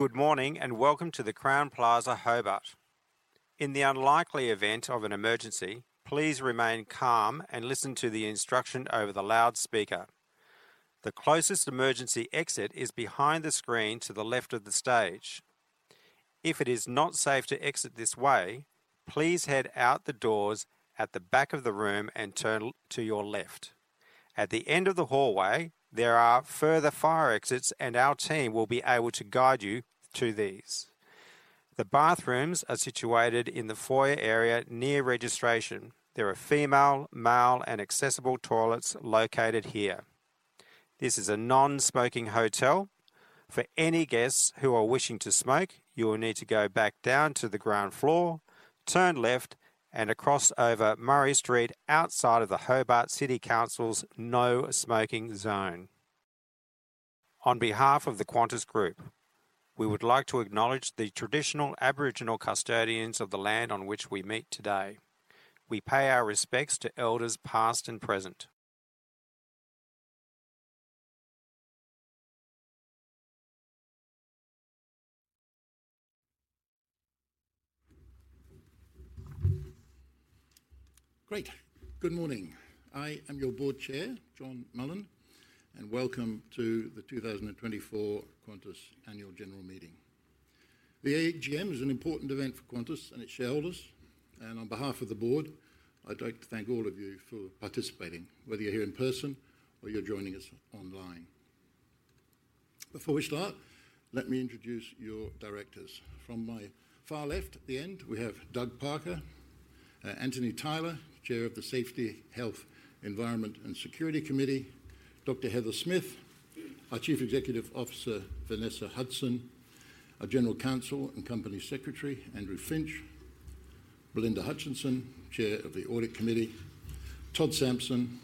Good morning, and welcome to the Crowne Plaza, Hobart. In the unlikely event of an emergency, please remain calm and listen to the instruction over the loudspeaker. The closest emergency exit is behind the screen to the left of the stage. If it is not safe to exit this way, please head out the doors at the back of the room and turn to your left. At the end of the hallway, there are further fire exits, and our team will be able to guide you to these. The bathrooms are situated in the foyer area near registration. There are female, male, and accessible toilets located here. This is a non-smoking hotel. For any guests who are wishing to smoke, you will need to go back down to the ground floor, turn left, and across over Murray Street outside of the Hobart City Council's no-smoking zone. On behalf of the Qantas Group, we would like to acknowledge the traditional Aboriginal custodians of the land on which we meet today. We pay our respects to elders, past and present. Great. Good morning. I am your board chair, John Mullen, and welcome to the 2024 Qantas Annual General Meeting. The AGM is an important event for Qantas and its shareholders, and on behalf of the board, I'd like to thank all of you for participating, whether you're here in person or you're joining us online. Before we start, let me introduce your directors. From my far left, at the end, we have Doug Parker; Antony Tyler, chair of the Safety, Health, Environment, and Security Committee; Dr. Heather Smith; our Chief Executive Officer, Vanessa Hudson; our General Counsel and Company Secretary, Andrew Finch; Belinda Hutchinson, chair of the Audit Committee; Todd Sampson;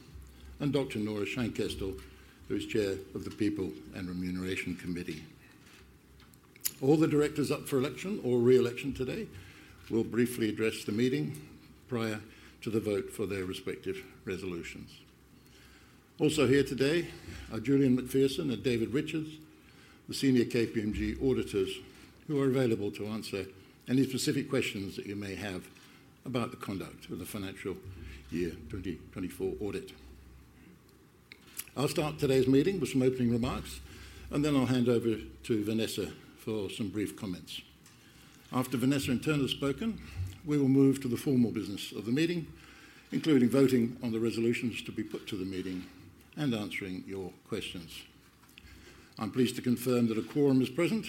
and Dr. Nora Scheinkestel, who is chair of the People and Remuneration Committee. All the directors up for election or re-election today will briefly address the meeting prior to the vote for their respective resolutions. Also here today are Julian McPherson and David Richards, the senior KPMG auditors, who are available to answer any specific questions that you may have about the conduct of the financial year twenty twenty-four audit. I'll start today's meeting with some opening remarks, and then I'll hand over to Vanessa for some brief comments. After Vanessa, in turn, has spoken, we will move to the formal business of the meeting, including voting on the resolutions to be put to the meeting and answering your questions. I'm pleased to confirm that a quorum is present,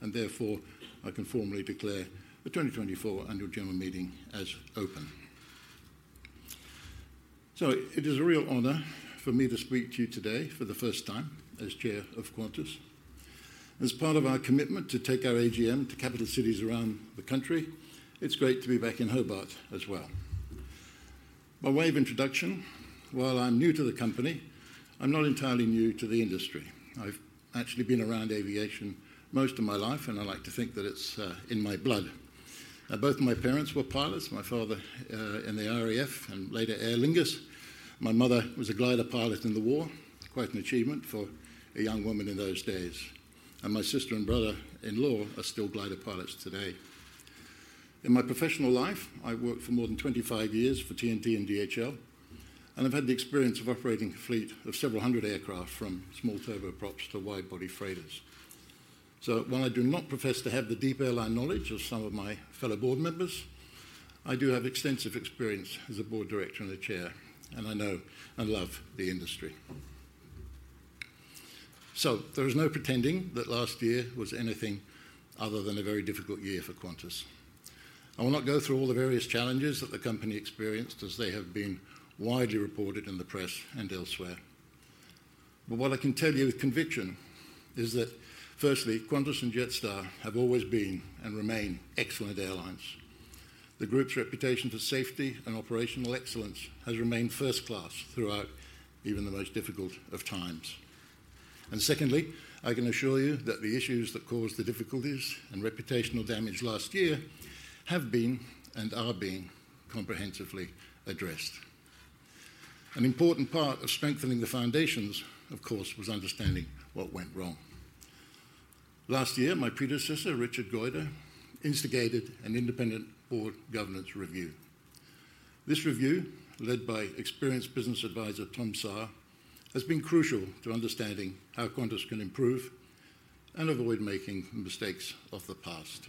and therefore, I can formally declare the twenty twenty-four Annual General Meeting as open. It is a real honor for me to speak to you today for the first time as Chair of Qantas. As part of our commitment to take our AGM to capital cities around the country, it's great to be back in Hobart as well. By way of introduction, while I'm new to the company, I'm not entirely new to the industry. I've actually been around aviation most of my life, and I like to think that it's in my blood. Both my parents were pilots, my father in the RAF and later, Aer Lingus. My mother was a glider pilot in the war, quite an achievement for a young woman in those days, and my sister and brother-in-law are still glider pilots today. In my professional life, I worked for more than twenty-five years for TNT and DHL, and I've had the experience of operating a fleet of several hundred aircraft, from small turboprops to wide-body freighters. While I do not profess to have the deep airline knowledge of some of my fellow board members, I do have extensive experience as a board director and a chair, and I know and love the industry. There is no pretending that last year was anything other than a very difficult year for Qantas. I will not go through all the various challenges that the company experienced, as they have been widely reported in the press and elsewhere. What I can tell you with conviction is that, firstly, Qantas and Jetstar have always been, and remain, excellent airlines. The group's reputation for safety and operational excellence has remained first class throughout even the most difficult of times. Secondly, I can assure you that the issues that caused the difficulties and reputational damage last year have been and are being comprehensively addressed. An important part of strengthening the foundations, of course, was understanding what went wrong. Last year, my predecessor, Richard Goyder, instigated an independent board governance review. This review, led by experienced business advisor Tom Saar, has been crucial to understanding how Qantas can improve and avoid making the mistakes of the past.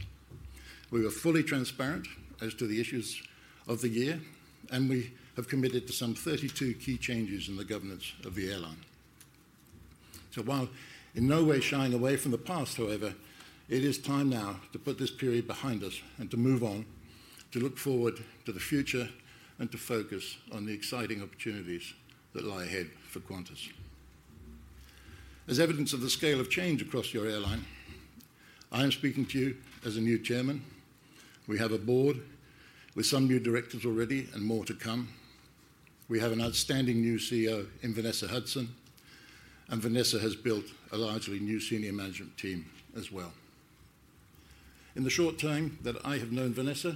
We were fully transparent as to the issues of the year, and we have committed to some 32 key changes in the governance of the airline. While in no way shying away from the past, however, it is time now to put this period behind us and to move on, to look forward to the future, and to focus on the exciting opportunities that lie ahead for Qantas. As evidence of the scale of change across your airline, I am speaking to you as a new chairman. We have a board with some new directors already and more to come. We have an outstanding new CEO in Vanessa Hudson, and Vanessa has built a largely new senior management team as well. In the short time that I have known Vanessa,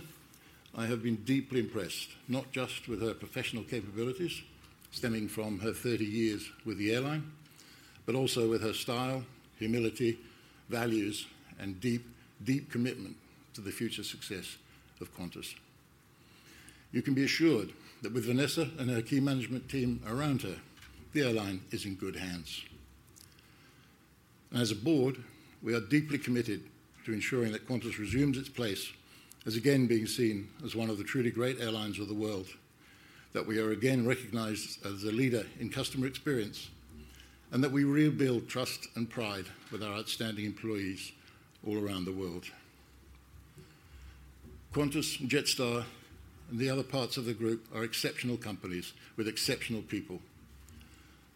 I have been deeply impressed, not just with her professional capabilities stemming from her thirty years with the airline, but also with her style, humility, values, and deep, deep commitment to the future success of Qantas. You can be assured that with Vanessa and her key management team around her, the airline is in good hands. As a board, we are deeply committed to ensuring that Qantas resumes its place as again being seen as one of the truly great airlines of the world, that we are again recognized as a leader in customer experience, and that we rebuild trust and pride with our outstanding employees all around the world. Qantas and Jetstar and the other parts of the group are exceptional companies with exceptional people.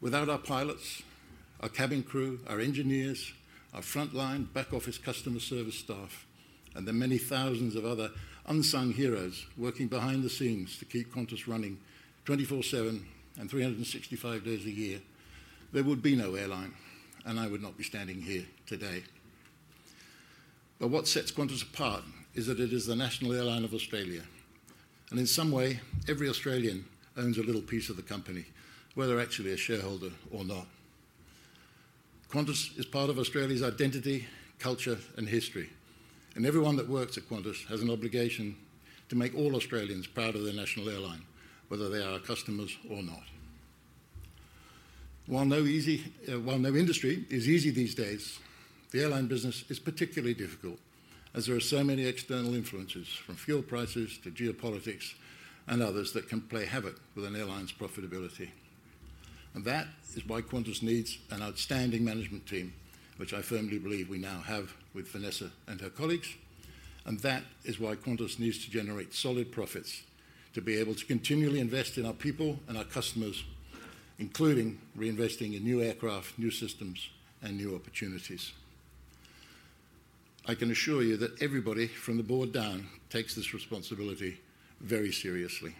Without our pilots, our cabin crew, our engineers, our frontline, back office customer service staff, and the many thousands of other unsung heroes working behind the scenes to keep Qantas running 24/7 and 365 days a year, there would be no airline, and I would not be standing here today. What sets Qantas apart is that it is the national airline of Australia, and in some way, every Australian owns a little piece of the company, whether actually a shareholder or not. Qantas is part of Australia's identity, culture, and history, and everyone that works at Qantas has an obligation to make all Australians proud of their national airline, whether they are our customers or not. While no industry is easy these days, the airline business is particularly difficult, as there are so many external influences, from fuel prices to geopolitics and others, that can play havoc with an airline's profitability. That is why Qantas needs an outstanding management team, which I firmly believe we now have with Vanessa and her colleagues. That is why Qantas needs to generate solid profits to be able to continually invest in our people and our customers, including reinvesting in new aircraft, new systems, and new opportunities. I can assure you that everybody from the board down takes this responsibility very seriously.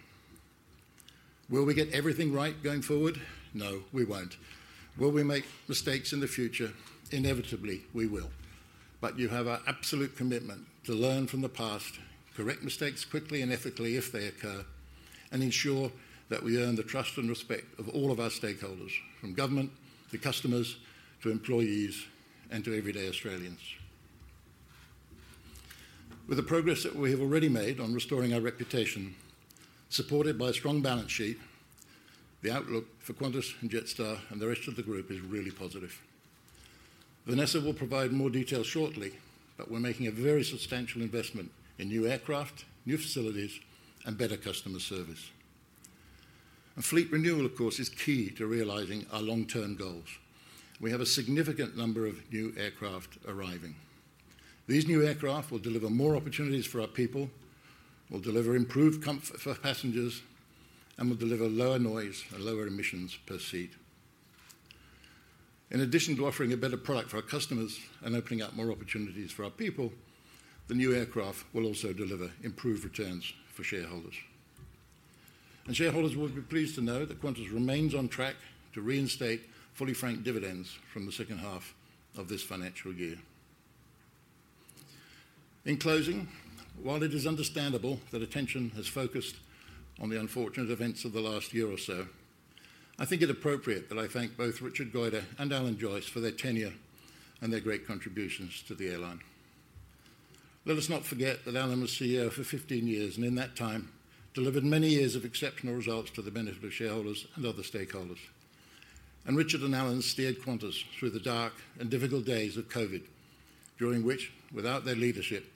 Will we get everything right going forward? No, we won't. Will we make mistakes in the future? Inevitably, we will. You have our absolute commitment to learn from the past, correct mistakes quickly and ethically if they occur, and ensure that we earn the trust and respect of all of our stakeholders, from government to customers, to employees and to everyday Australians. With the progress that we have already made on restoring our reputation, supported by a strong balance sheet, the outlook for Qantas and Jetstar and the rest of the group is really positive. Vanessa will provide more details shortly, but we're making a very substantial investment in new aircraft, new facilities, and better customer service. Fleet renewal, of course, is key to realizing our long-term goals. We have a significant number of new aircraft arriving. These new aircraft will deliver more opportunities for our people, will deliver improved comfort for passengers, and will deliver lower noise and lower emissions per seat. In addition to offering a better product for our customers and opening up more opportunities for our people, the new aircraft will also deliver improved returns for shareholders. Shareholders will be pleased to know that Qantas remains on track to reinstate fully franked dividends from the second half of this financial year. In closing, while it is understandable that attention has focused on the unfortunate events of the last year or so, I think it appropriate that I thank both Richard Goyder and Alan Joyce for their tenure and their great contributions to the airline. Let us not forget that Alan was CEO for fifteen years, and in that time delivered many years of exceptional results to the benefit of shareholders and other stakeholders. Richard and Alan steered Qantas through the dark and difficult days of COVID, during which, without their leadership,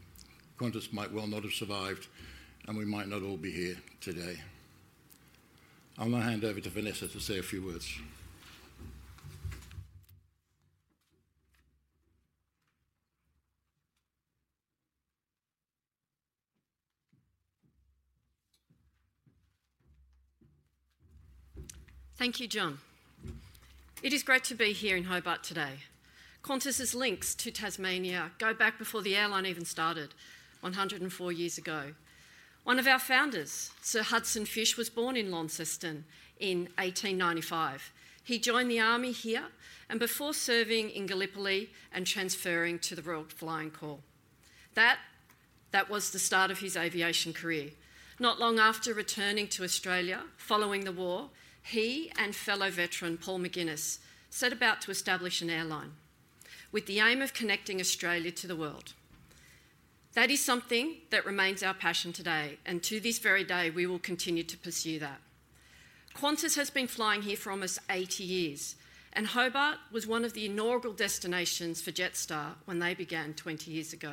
Qantas might well not have survived, and we might not all be here today. I'm gonna hand over to Vanessa to say a few words. Thank you, John. It is great to be here in Hobart today. Qantas's links to Tasmania go back before the airline even started, one hundred and four years ago. One of our founders, Sir Hudson Fysh, was born in Launceston in 1895. He joined the army here, and before serving in Gallipoli and transferring to the Royal Flying Corps. That was the start of his aviation career. Not long after returning to Australia following the war, he and fellow veteran Paul McGinness set about to establish an airline with the aim of connecting Australia to the world. That is something that remains our passion today, and to this very day, we will continue to pursue that. Qantas has been flying here for almost eighty years, and Hobart was one of the inaugural destinations for Jetstar when they began twenty years ago.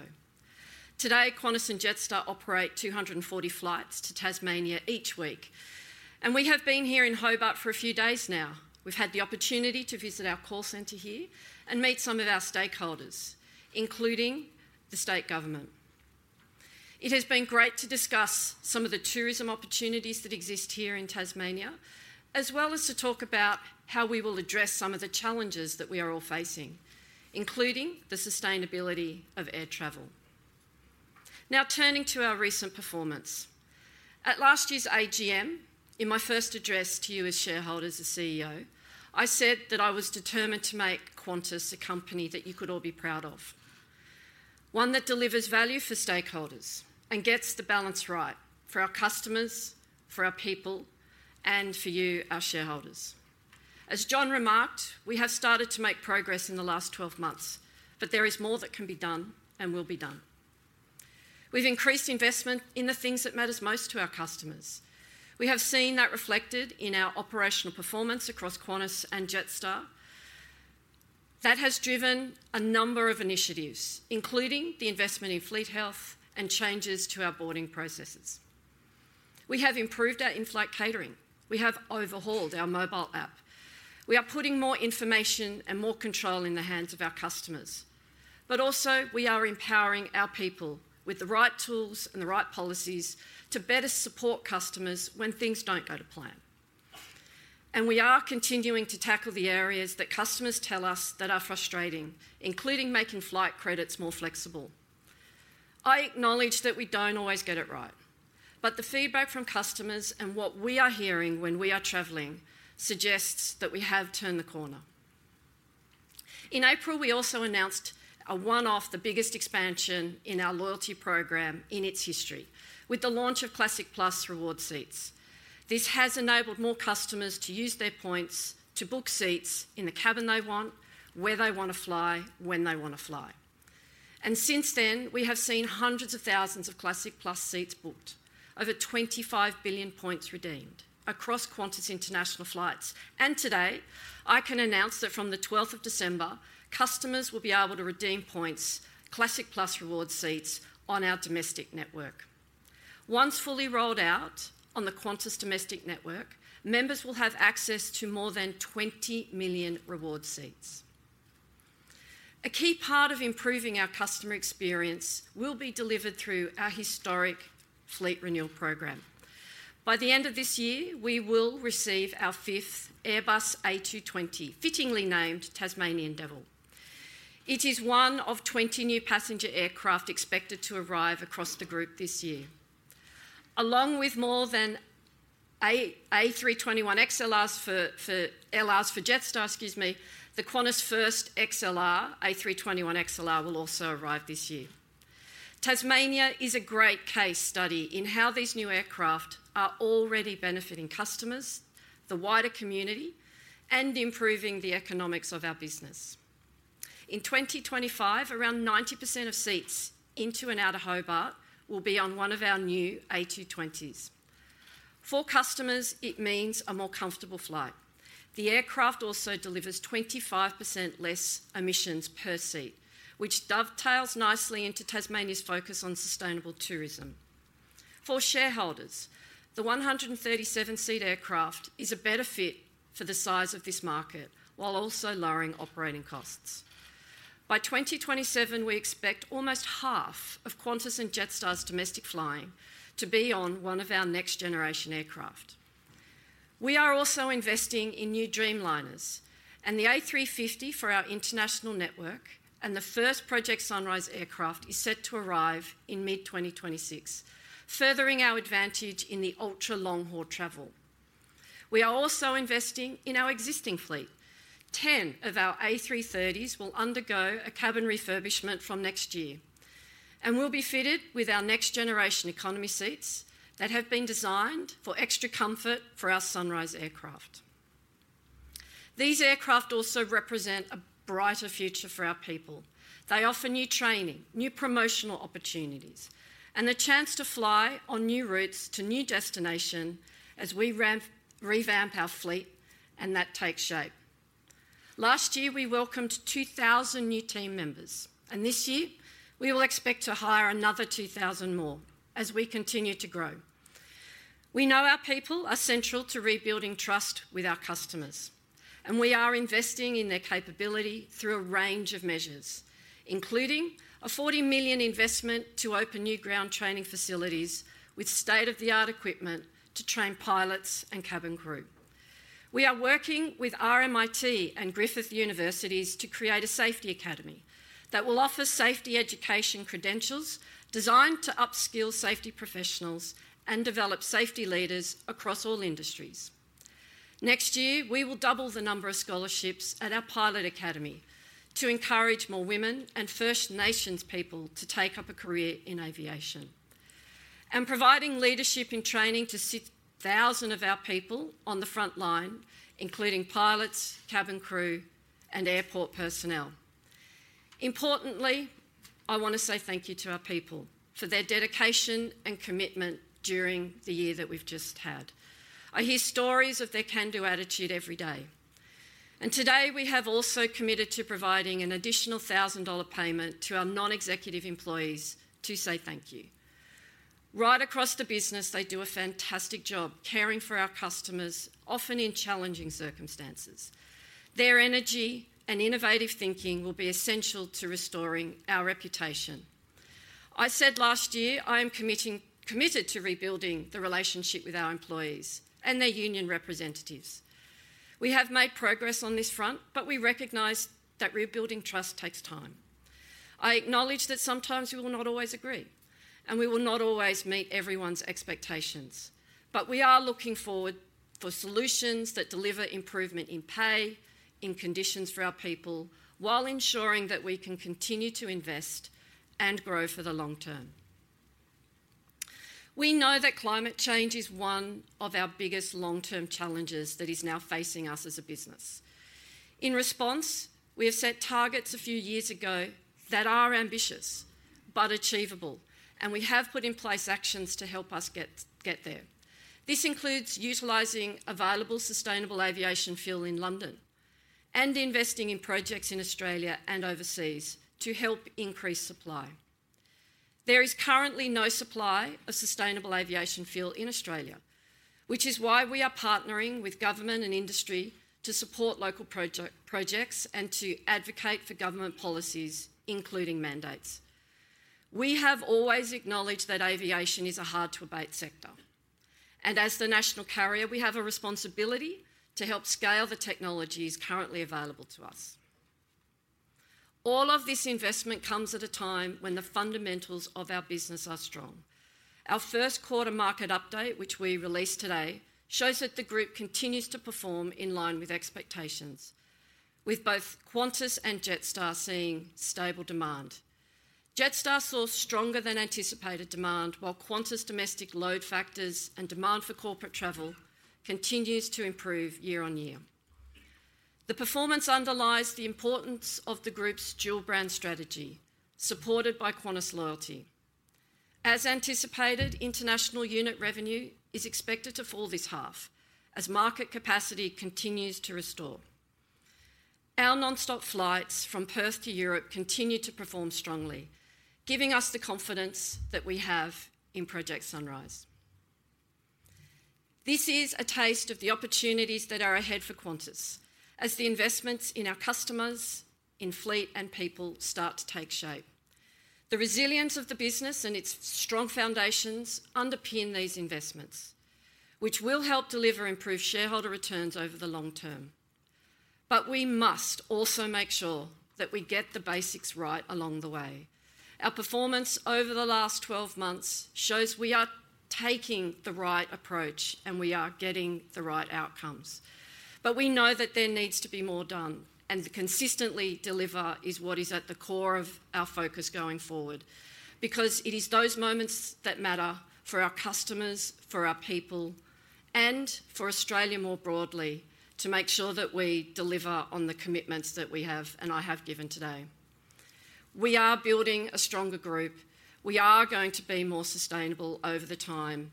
Today, Qantas and Jetstar operate 240 flights to Tasmania each week, and we have been here in Hobart for a few days now. We've had the opportunity to visit our call center here and meet some of our stakeholders, including the state government. It has been great to discuss some of the tourism opportunities that exist here in Tasmania, as well as to talk about how we will address some of the challenges that we are all facing, including the sustainability of air travel. Now, turning to our recent performance. At last year's AGM, in my first address to you as shareholders and CEO, I said that I was determined to make Qantas a company that you could all be proud of, one that delivers value for stakeholders and gets the balance right for our customers, for our people, and for you, our shareholders. As John remarked, we have started to make progress in the last twelve months, but there is more that can be done and will be done. We've increased investment in the things that matters most to our customers. We have seen that reflected in our operational performance across Qantas and Jetstar. That has driven a number of initiatives, including the investment in fleet health and changes to our boarding processes. We have improved our in-flight catering. We have overhauled our mobile app. We are putting more information and more control in the hands of our customers. Also, we are empowering our people with the right tools and the right policies to better support customers when things don't go to plan. We are continuing to tackle the areas that customers tell us that are frustrating, including making flight credits more flexible. I acknowledge that we don't always get it right, but the feedback from customers and what we are hearing when we are traveling suggests that we have turned the corner. In April, we also announced a one-off, the biggest expansion in our loyalty program in its history, with the launch of Classic Plus Reward Seats. This has enabled more customers to use their points to book seats in the cabin they want, where they wanna fly, when they wanna fly. Since then, we have seen hundreds of thousands of Classic Plus seats booked, over twenty-five billion points redeemed across Qantas international flights. Today, I can announce that from the twelfth of December, customers will be able to redeem points, Classic Plus Reward Seats, on our domestic network. Once fully rolled out on the Qantas domestic network, members will have access to more than twenty million reward seats. A key part of improving our customer experience will be delivered through our historic fleet renewal program. By the end of this year, we will receive our fifth Airbus A220, fittingly named Tasmanian Devil. It is one of twenty new passenger aircraft expected to arrive across the group this year. Along with more than A321LRs for Jetstar, excuse me, the Qantas first A321XLR will also arrive this year. Tasmania is a great case study in how these new aircraft are already benefiting customers, the wider community, and improving the economics of our business. In twenty twenty-five, around 90% of seats into and out of Hobart will be on one of our new A220s. For customers, it means a more comfortable flight. The aircraft also delivers 25% less emissions per seat, which dovetails nicely into Tasmania's focus on sustainable tourism. For shareholders, the 137-seat aircraft is a better fit for the size of this market, while also lowering operating costs. By 2027, we expect almost half of Qantas and Jetstar's domestic flying to be on one of our next-generation aircraft. We are also investing in new Dreamliners and the A350 for our international network, and the first Project Sunrise aircraft is set to arrive in mid-2026, furthering our advantage in the ultra-long-haul travel. We are also investing in our existing fleet. 10 of our A330s will undergo a cabin refurbishment from next year and will be fitted with our next-generation economy seats that have been designed for extra comfort for our Sunrise aircraft. These aircraft also represent a brighter future for our people. They offer new training, new promotional opportunities, and the chance to fly on new routes to new destinations as we revamp our fleet, and that takes shape. Last year, we welcomed 2,000 new team members, and this year, we will expect to hire another 2,000 more as we continue to grow. We know our people are central to rebuilding trust with our customers, and we are investing in their capability through a range of measures, including a 40 million investment to open new ground training facilities with state-of-the-art equipment to train pilots and cabin crew. We are working with RMIT and Griffith universities to create a safety academy that will offer safety education credentials designed to upskill safety professionals and develop safety leaders across all industries. Next year, we will double the number of scholarships at our pilot academy to encourage more women and First Nations people to take up a career in aviation, and providing leadership and training to six thousand of our people on the front line, including pilots, cabin crew, and airport personnel. Importantly, I wanna say thank you to our people for their dedication and commitment during the year that we've just had. I hear stories of their can-do attitude every day, and today we have also committed to providing an additional 1,000 dollar payment to our non-executive employees to say thank you. Right across the business, they do a fantastic job caring for our customers, often in challenging circumstances. Their energy and innovative thinking will be essential to restoring our reputation. I said last year, I am committing-committed to rebuilding the relationship with our employees and their union representatives... We have made progress on this front, but we recognize that rebuilding trust takes time. I acknowledge that sometimes we will not always agree, and we will not always meet everyone's expectations. But we are looking forward for solutions that deliver improvement in pay, in conditions for our people, while ensuring that we can continue to invest and grow for the long term. We know that climate change is one of our biggest long-term challenges that is now facing us as a business. In response, we have set targets a few years ago that are ambitious but achievable, and we have put in place actions to help us get there. This includes utilizing available sustainable aviation fuel in London and investing in projects in Australia and overseas to help increase supply. There is currently no supply of sustainable aviation fuel in Australia, which is why we are partnering with government and industry to support local projects and to advocate for government policies, including mandates. We have always acknowledged that aviation is a hard-to-abate sector, and as the national carrier, we have a responsibility to help scale the technologies currently available to us. All of this investment comes at a time when the fundamentals of our business are strong. Our first quarter market update, which we released today, shows that the group continues to perform in line with expectations, with both Qantas and Jetstar seeing stable demand. Jetstar saw stronger-than-anticipated demand, while Qantas domestic load factors and demand for corporate travel continues to improve year on year. The performance underlies the importance of the group's dual brand strategy, supported by Qantas Loyalty. As anticipated, international unit revenue is expected to fall this half as market capacity continues to restore. Our nonstop flights from Perth to Europe continue to perform strongly, giving us the confidence that we have in Project Sunrise. This is a taste of the opportunities that are ahead for Qantas as the investments in our customers, in fleet, and people start to take shape. The resilience of the business and its strong foundations underpin these investments, which will help deliver improved shareholder returns over the long term. We must also make sure that we get the basics right along the way. Our performance over the last twelve months shows we are taking the right approach, and we are getting the right outcomes. We know that there needs to be more done, and to consistently deliver is what is at the core of our focus going forward. It is those moments that matter for our customers, for our people, and for Australia more broadly, to make sure that we deliver on the commitments that we have, and I have given today. We are building a stronger group. We are going to be more sustainable over time.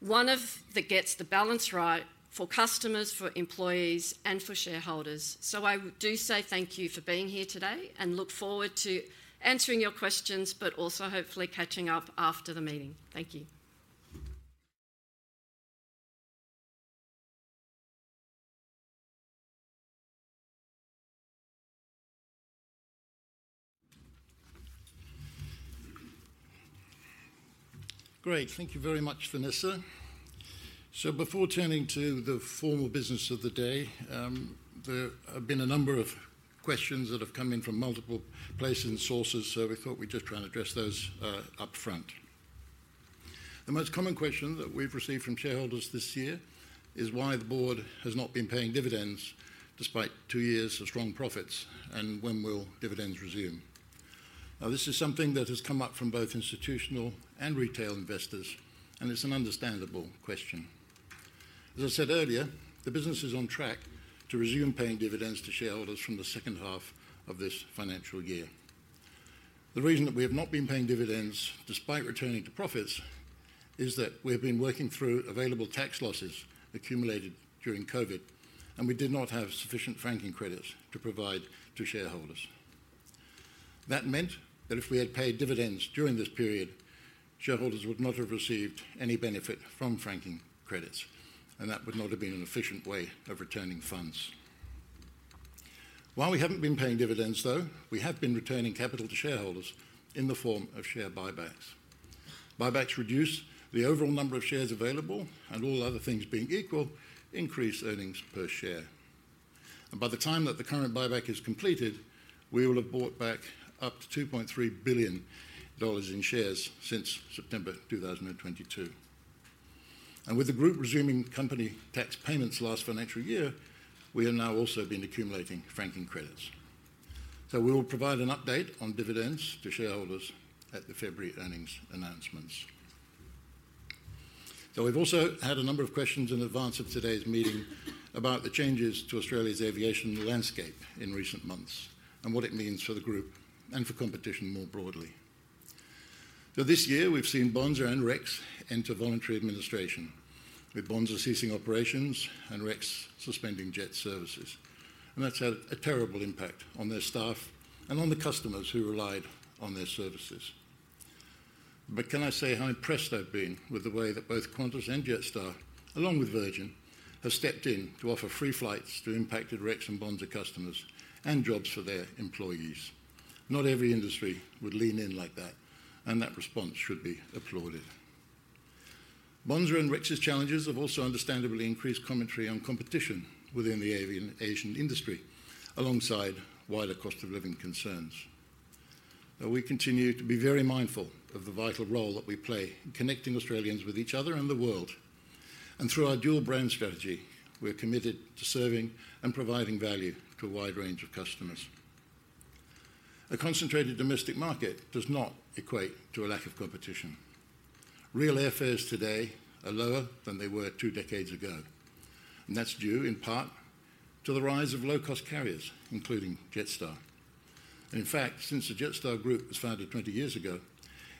One that gets the balance right for customers, for employees, and for shareholders. I do say thank you for being here today, and look forward to answering your questions, but also hopefully catching up after the meeting. Thank you. Great. Thank you very much, Vanessa. Before turning to the formal business of the day, there have been a number of questions that have come in from multiple places and sources, so we thought we'd just try and address those, up front. The most common question that we've received from shareholders this year is why the board has not been paying dividends despite two years of strong profits, and when will dividends resume? Now, this is something that has come up from both institutional and retail investors, and it's an understandable question. As I said earlier, the business is on track to resume paying dividends to shareholders from the second half of this financial year. The reason that we have not been paying dividends despite returning to profits is that we have been working through available tax losses accumulated during COVID, and we did not have sufficient franking credits to provide to shareholders. That meant that if we had paid dividends during this period, shareholders would not have received any benefit from franking credits, and that would not have been an efficient way of returning funds. While we haven't been paying dividends, though, we have been returning capital to shareholders in the form of share buybacks. Buybacks reduce the overall number of shares available, and all other things being equal, increase earnings per share and by the time that the current buyback is completed, we will have bought back up to 2.3 billion dollars in shares since September 2022. With the group resuming company tax payments last financial year, we have now also been accumulating franking credits. We will provide an update on dividends to shareholders at the February earnings announcements. Now, we've also had a number of questions in advance of today's meeting about the changes to Australia's aviation landscape in recent months and what it means for the group and for competition more broadly. This year we've seen Bonza and Rex enter voluntary administration, with Bonza ceasing operations and Rex suspending jet services. That's had a terrible impact on their staff and on the customers who relied on their services. Can I say how impressed I've been with the way that both Qantas and Jetstar, along with Virgin, have stepped in to offer free flights to impacted Rex and Bonza customers and jobs for their employees? Not every industry would lean in like that, and that response should be applauded. Qantas and Rex's challenges have also understandably increased commentary on competition within the aviation industry, alongside wider cost of living concerns. Now, we continue to be very mindful of the vital role that we play in connecting Australians with each other and the world, and through our dual-brand strategy, we're committed to serving and providing value to a wide range of customers. A concentrated domestic market does not equate to a lack of competition. Real airfares today are lower than they were two decades ago, and that's due in part to the rise of low-cost carriers, including Jetstar. In fact, since the Jetstar Group was founded 20 years ago,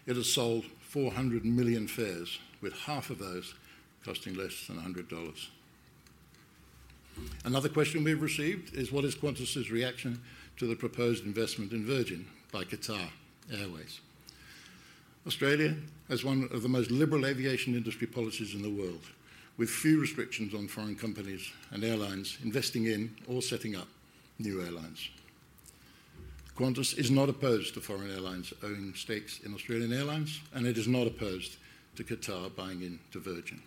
it has sold 400 million fares, with half of those costing less than 100 dollars. Another question we've received is: What is Qantas's reaction to the proposed investment in Virgin by Qatar Airways? Australia has one of the most liberal aviation industry policies in the world, with few restrictions on foreign companies and airlines investing in or setting up new airlines. Qantas is not opposed to foreign airlines owning stakes in Australian airlines, and it is not opposed to Qatar buying into Virgin.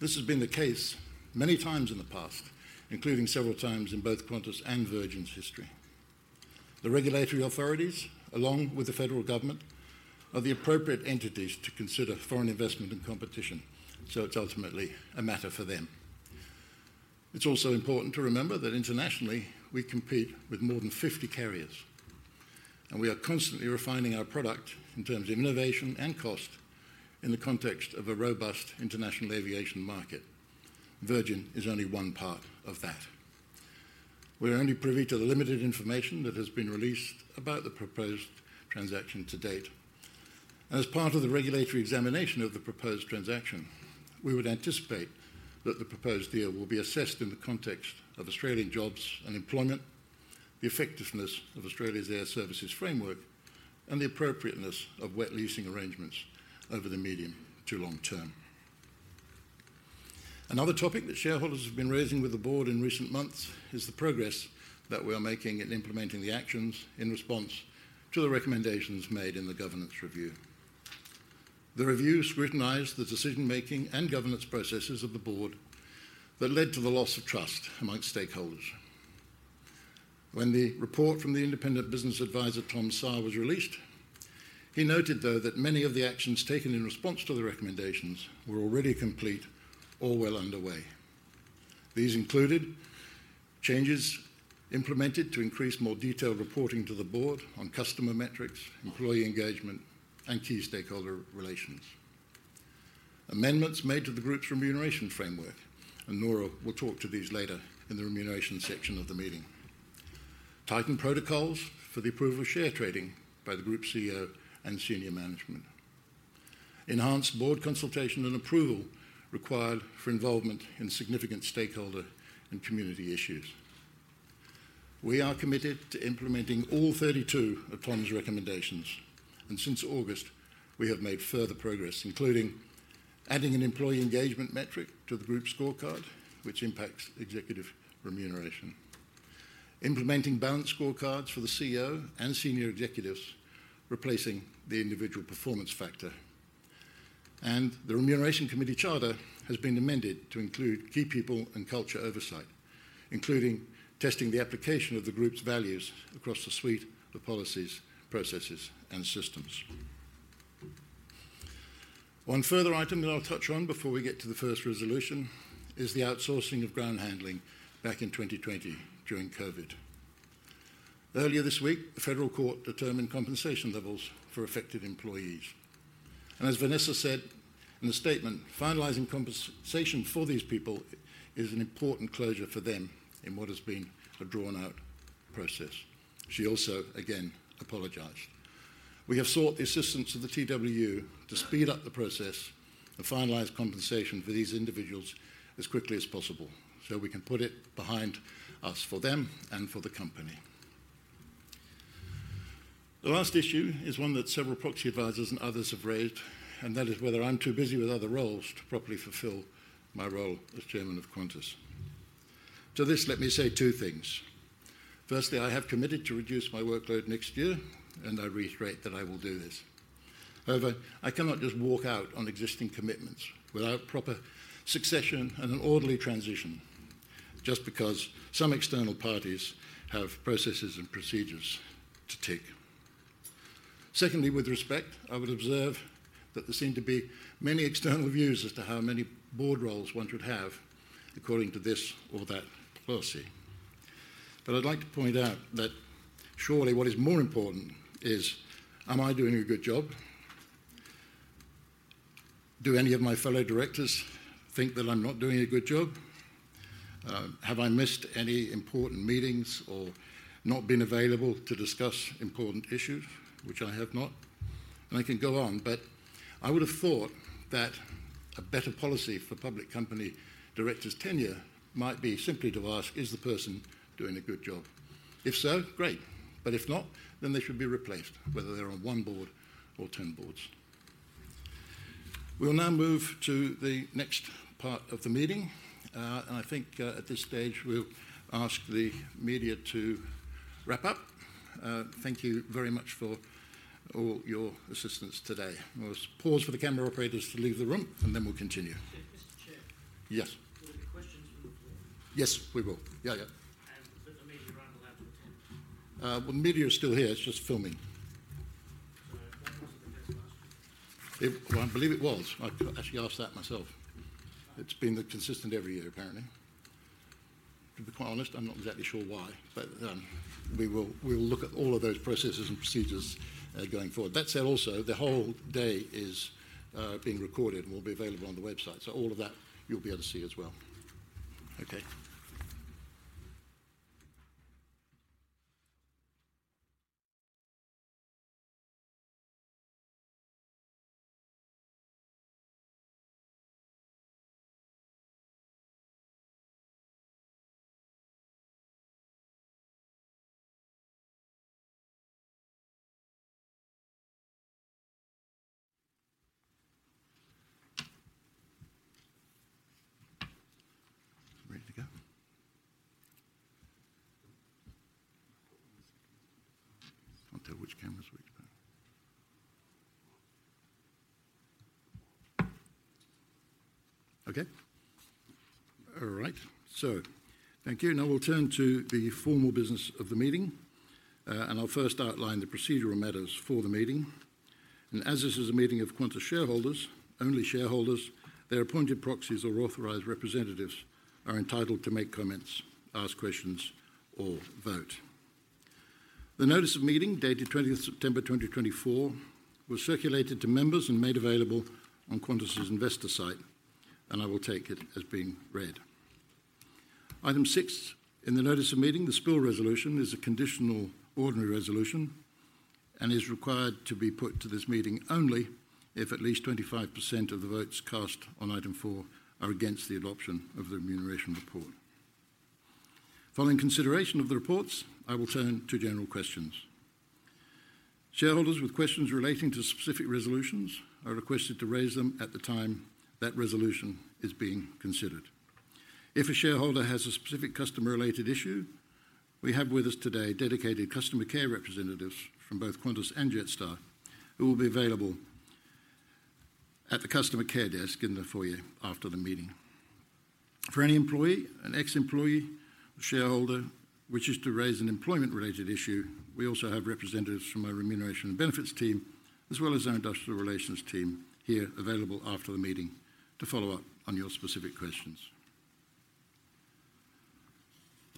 This has been the case many times in the past, including several times in both Qantas and Virgin's history. The regulatory authorities, along with the federal government, are the appropriate entities to consider foreign investment and competition, so it's ultimately a matter for them. It's also important to remember that internationally, we compete with more than 50 carriers, and we are constantly refining our product in terms of innovation and cost in the context of a robust international aviation market. Virgin is only one part of that. We're only privy to the limited information that has been released about the proposed transaction to date. As part of the regulatory examination of the proposed transaction, we would anticipate that the proposed deal will be assessed in the context of Australian jobs and employment, the effectiveness of Australia's air services framework, and the appropriateness of wet leasing arrangements over the medium to long term. Another topic that shareholders have been raising with the board in recent months is the progress that we are making in implementing the actions in response to the recommendations made in the governance review. The review scrutinized the decision-making and governance processes of the board that led to the loss of trust among stakeholders. When the report from the independent business advisor, Tom Saar, was released, he noted, though, that many of the actions taken in response to the recommendations were already complete or well underway. These included changes implemented to increase more detailed reporting to the board on customer metrics, employee engagement, and key stakeholder relations. Amendments made to the group's remuneration framework, and Nora will talk to these later in the remuneration section of the meeting. Tightened protocols for the approval of share trading by the Group CEO and senior management. Enhanced board consultation and approval required for involvement in significant stakeholder and community issues. We are committed to implementing all 32 of Tom's recommendations, and since August, we have made further progress, including adding an employee engagement metric to the group scorecard, which impacts executive remuneration, implementing balanced scorecards for the CEO and senior executives, replacing the individual performance factor. The Remuneration Committee charter has been amended to include key people and culture oversight, including testing the application of the group's values across the suite of policies, processes, and systems. One further item that I'll touch on before we get to the first resolution is the outsourcing of ground handling back in 2020 during COVID. Earlier this week, the federal court determined compensation levels for affected employees, and as Vanessa said in the statement, "Finalizing compensation for these people is an important closure for them in what has been a drawn-out process." She also, again, apologized. We have sought the assistance of the TWU to speed up the process and finalize compensation for these individuals as quickly as possible, so we can put it behind us for them and for the company. The last issue is one that several proxy advisors and others have raised, and that is whether I'm too busy with other roles to properly fulfill my role as chairman of Qantas. To this, let me say two things: firstly, I have committed to reduce my workload next year, and I reiterate that I will do this. However, I cannot just walk out on existing commitments without proper succession and an orderly transition just because some external parties have processes and procedures to take. Secondly, with respect, I would observe that there seem to be many external views as to how many board roles one should have according to this or that policy. I'd like to point out that surely what is more important is, am I doing a good job? Do any of my fellow directors think that I'm not doing a good job? Have I missed any important meetings or not been available to discuss important issues, which I have not? I can go on, but I would have thought that a better policy for public company directors' tenure might be simply to ask, "Is the person doing a good job?" If so, great, but if not, then they should be replaced, whether they're on one board or ten boards. We will now move to the next part of the meeting, and I think, at this stage, we'll ask the media to wrap up. Thank you very much for all your assistance today. We'll just pause for the camera operators to leave the room, and then we'll continue. Yes. Yes. Will there be questions from the floor? Yes, we will. The media is still here. It's just filming. Well, I believe it was. I actually asked that myself. It's been the consistent every year, apparently. To be quite honest, I'm not exactly sure why, but we will look at all of those processes and procedures going forward. That said, also, the whole day is being recorded and will be available on the website. All of that you'll be able to see as well. Okay. Ready to go? I can't tell which camera's which, but. All right, so thank you. Now we'll turn to the formal business of the meeting, and I'll first outline the procedural matters for the meeting, and as this is a meeting of Qantas shareholders, only shareholders, their appointed proxies or authorized representatives are entitled to make comments, ask questions, or vote. The notice of meeting, dated twentieth September 2024, was circulated to members and made available on Qantas's investor site, and I will take it as being read. Item six in the notice of meeting, the spill resolution, is a conditional ordinary resolution and is required to be put to this meeting only if at least 25% of the votes cast on item four are against the adoption of the remuneration report. Following consideration of the reports, I will turn to general questions. Shareholders with questions relating to specific resolutions are requested to raise them at the time that resolution is being considered. If a shareholder has a specific customer-related issue, we have with us today dedicated customer care representatives from both Qantas and Jetstar, who will be available at the customer care desk in the foyer after the meeting. For any employee, an ex-employee, a shareholder wishes to raise an employment-related issue, we also have representatives from our Remuneration and Benefits team, as well as our Industrial Relations team, here available after the meeting to follow up on your specific questions.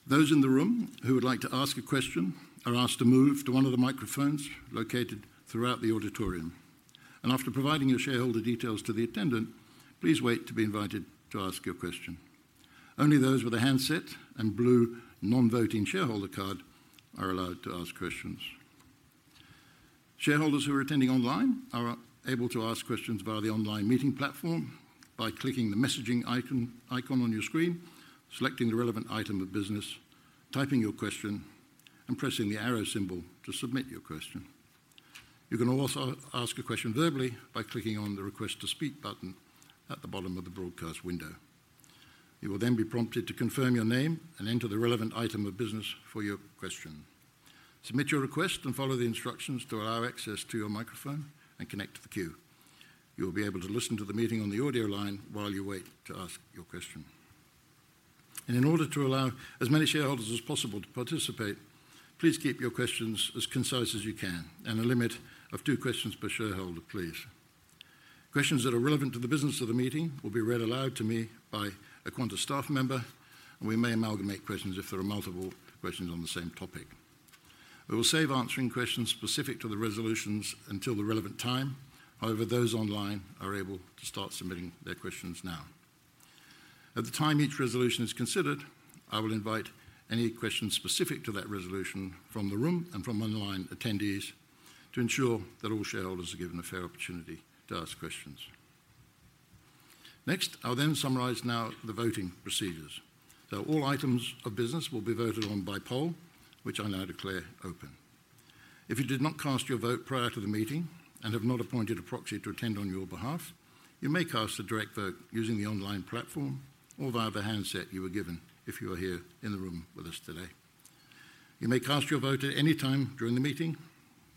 Those in the room who would like to ask a question are asked to move to one of the microphones located throughout the auditorium, and after providing your shareholder details to the attendant, please wait to be invited to ask your question. Only those with a handset and blue non-voting shareholder card are allowed to ask questions. Shareholders who are attending online are able to ask questions via the online meeting platform by clicking the messaging icon on your screen, selecting the relevant item of business, typing your question, and pressing the arrow symbol to submit your question. You can also ask a question verbally by clicking on the Request to Speak button at the bottom of the broadcast window. You will then be prompted to confirm your name and enter the relevant item of business for your question. Submit your request and follow the instructions to allow access to your microphone and connect to the queue. You will be able to listen to the meeting on the audio line while you wait to ask your question, and in order to allow as many shareholders as possible to participate, please keep your questions as concise as you can, and a limit of two questions per shareholder, please. Questions that are relevant to the business of the meeting will be read aloud to me by a Qantas staff member, and we may amalgamate questions if there are multiple questions on the same topic. We will save answering questions specific to the resolutions until the relevant time. However, those online are able to start submitting their questions now. At the time each resolution is considered, I will invite any questions specific to that resolution from the room and from online attendees to ensure that all shareholders are given a fair opportunity to ask questions. Next, I'll then summarize now the voting procedures. Now, all items of business will be voted on by poll, which I now declare open. If you did not cast your vote prior to the meeting and have not appointed a proxy to attend on your behalf, you may cast a direct vote using the online platform or via the handset you were given, if you are here in the room with us today. You may cast your vote at any time during the meeting.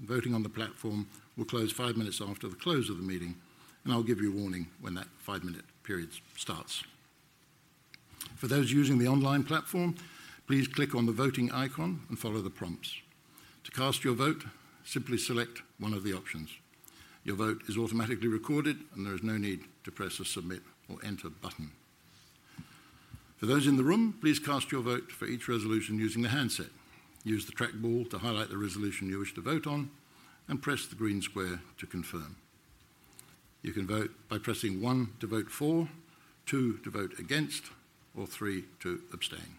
Voting on the platform will close five minutes after the close of the meeting, and I'll give you a warning when that five-minute period starts. For those using the online platform, please click on the voting icon and follow the prompts. To cast your vote, simply select one of the options. Your vote is automatically recorded, and there is no need to press the Submit or Enter button. For those in the room, please cast your vote for each resolution using the handset. Use the trackball to highlight the resolution you wish to vote on, and press the green square to confirm. You can vote by pressing one to vote for, two to vote against, or three to abstain.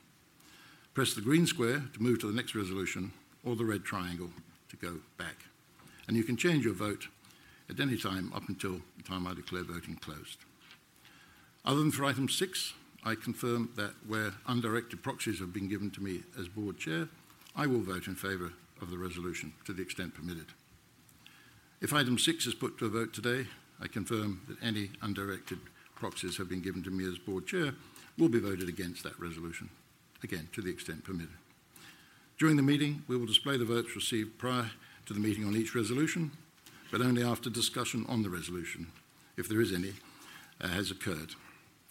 Press the green square to move to the next resolution or the red triangle to go back, and you can change your vote at any time up until the time I declare voting closed. Other than for item six, I confirm that where undirected proxies have been given to me as board chair, I will vote in favor of the resolution to the extent permitted. If Item six is put to a vote today, I confirm that any undirected proxies have been given to me as board chair will be voted against that resolution, again, to the extent permitted. During the meeting, we will display the votes received prior to the meeting on each resolution, but only after discussion on the resolution, if there is any, has occurred.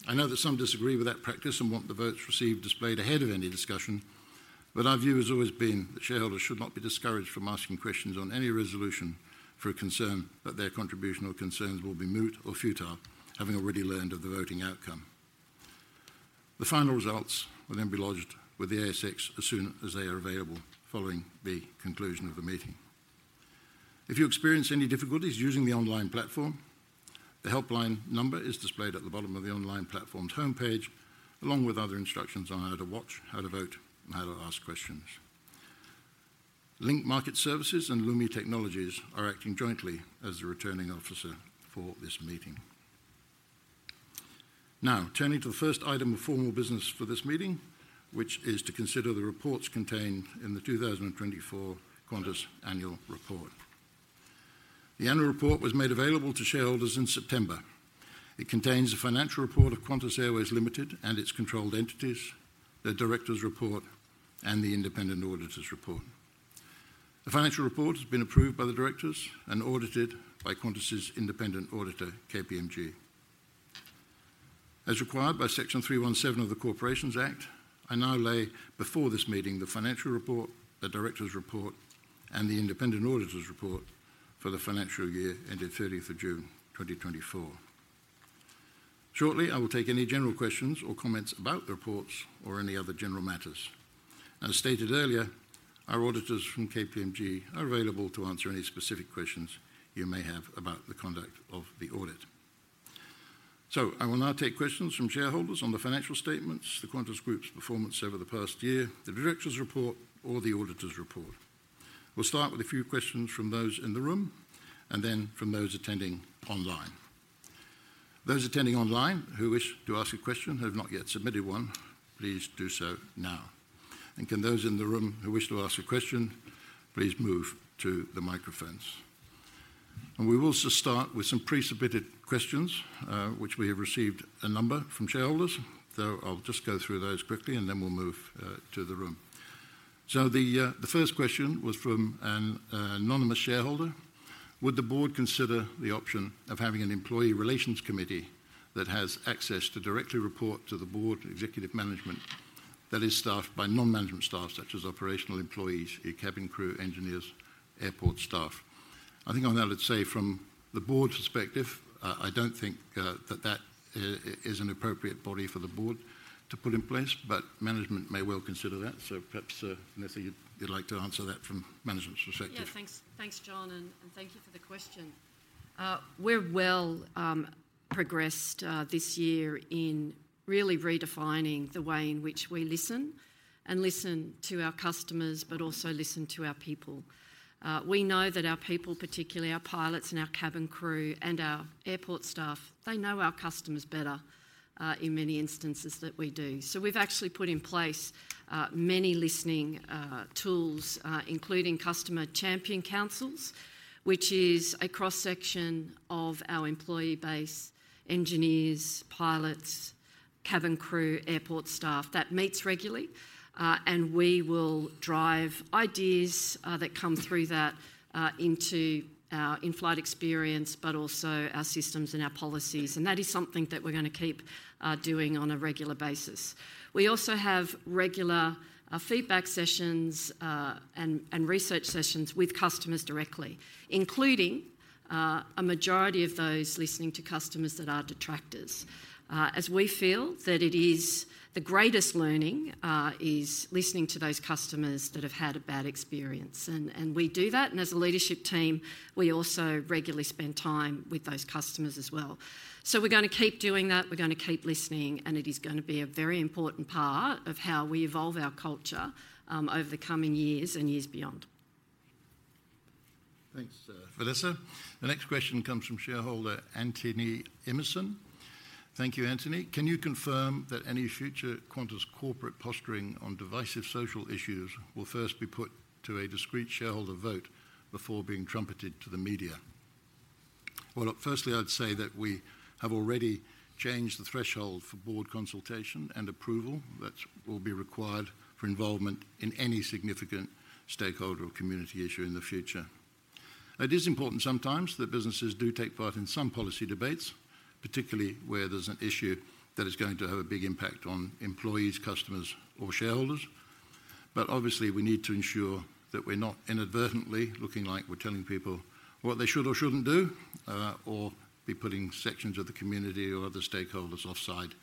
I know that some disagree with that practice and want the votes received displayed ahead of any discussion, but our view has always been that shareholders should not be discouraged from asking questions on any resolution for a concern that their contribution or concerns will be moot or futile, having already learned of the voting outcome. The final results will then be lodged with the ASX as soon as they are available following the conclusion of the meeting. If you experience any difficulties using the online platform, the helpline number is displayed at the bottom of the online platform's homepage, along with other instructions on how to watch, how to vote, and how to ask questions. Link Market Services and Lumi Technologies are acting jointly as the Returning Officer for this meeting. Now, turning to the first item of formal business for this meeting, which is to consider the reports contained in the 2024 Qantas Annual Report. The annual report was made available to shareholders in September. It contains a financial report of Qantas Airways Limited and its controlled entities, the directors' report, and the independent auditor's report. The financial report has been approved by the directors and audited by Qantas's independent auditor, KPMG. As required by Section 317 of the Corporations Act, I now lay before this meeting the financial report, the directors' report, and the independent auditor's report for the financial year ended thirtieth of June, twenty twenty-four. Shortly, I will take any general questions or comments about the reports or any other general matters. As stated earlier, our auditors from KPMG are available to answer any specific questions you may have about the conduct of the audit. I will now take questions from shareholders on the financial statements, the Qantas Group's performance over the past year, the directors' report, or the auditor's report. We'll start with a few questions from those in the room, and then from those attending online. Those attending online who wish to ask a question have not yet submitted one, please do so now. Can those in the room who wish to ask a question, please move to the microphones. We will start with some pre-submitted questions, which we have received a number from shareholders. I'll just go through those quickly, and then we'll move to the room. The first question was from an anonymous shareholder: Would the board consider the option of having an employee relations committee that has access to directly report to the board and executive management that is staffed by non-management staff, such as operational employees, your cabin crew, engineers, airport staff? I think on that I'd say from the board's perspective, I don't think that is an appropriate body for the board to put in place, but management may well consider that. Perhaps, Vanessa, you'd like to answer that from management's perspective. Yeah, thanks. Thanks, John, and, and thank you for the question. We're well progressed this year in really redefining the way in which we listen, and listen to our customers, but also listen to our people. We know that our people, particularly our pilots and our cabin crew and our airport staff, they know our customers better, in many instances, than we do. So we've actually put in place many listening tools, including Customer Champion Councils, which is a cross-section of our employee base: engineers, pilots, cabin crew, airport staff, that meets regularly, and we will drive ideas that come through that into our in-flight experience, but also our systems and our policies, and that is something that we're gonna keep doing on a regular basis. We also have regular feedback sessions and research sessions with customers directly, including a majority of those listening to customers that are detractors. As we feel that it is the greatest learning is listening to those customers that have had a bad experience, and we do that, and as a leadership team, we also regularly spend time with those customers as well. We're gonna keep doing that, we're gonna keep listening, and it is gonna be a very important part of how we evolve our culture over the coming years and years beyond. Thanks, Vanessa. The next question comes from shareholder Anthony Emerson. Thank you, Anthony. Can you confirm that any future Qantas corporate posturing on divisive social issues will first be put to a discrete shareholder vote before being trumpeted to the media? Well, firstly, I'd say that we have already changed the threshold for board consultation and approval. That will be required for involvement in any significant stakeholder or community issue in the future. It is important sometimes that businesses do take part in some policy debates, particularly where there's an issue that is going to have a big impact on employees, customers, or shareholders. Obviously, we need to ensure that we're not inadvertently looking like we're telling people what they should or shouldn't do, or be putting sections of the community or other stakeholders offside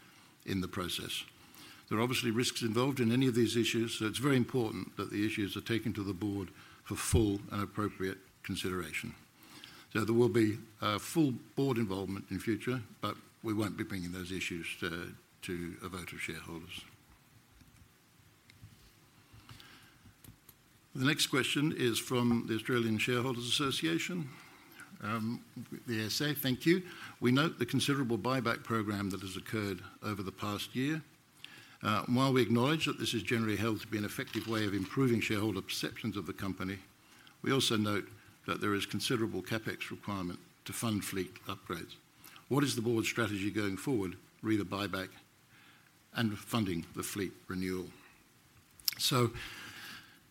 in the process. There are obviously risks involved in any of these issues, so it's very important that the issues are taken to the board for full and appropriate consideration. There will be full board involvement in future, but we won't be bringing those issues to a vote of shareholders. The next question is from the Australian Shareholders Association. The SA, thank you. We note the considerable buyback program that has occurred over the past year. While we acknowledge that this is generally held to be an effective way of improving shareholder perceptions of the company, we also note that there is considerable CapEx requirement to fund fleet upgrades. What is the board's strategy going forward re: the buyback and funding the fleet renewal?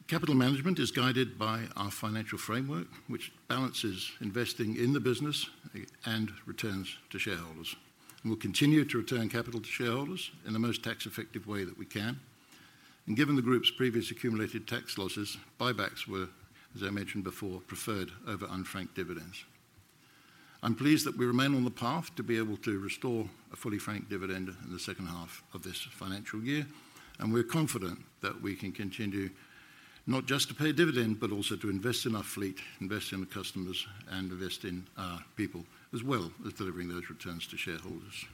Capital management is guided by our financial framework, which balances investing in the business and returns to shareholders, and we'll continue to return capital to shareholders in the most tax-effective way that we can. And given the group's previous accumulated tax losses, buybacks were, as I mentioned before, preferred over unfranked dividends. I'm pleased that we remain on the path to be able to restore a fully franked dividend in the second half of this financial year, and we're confident that we can continue not just to pay a dividend, but also to invest in our fleet, invest in the customers, and invest in our people, as well as delivering those returns to shareholders.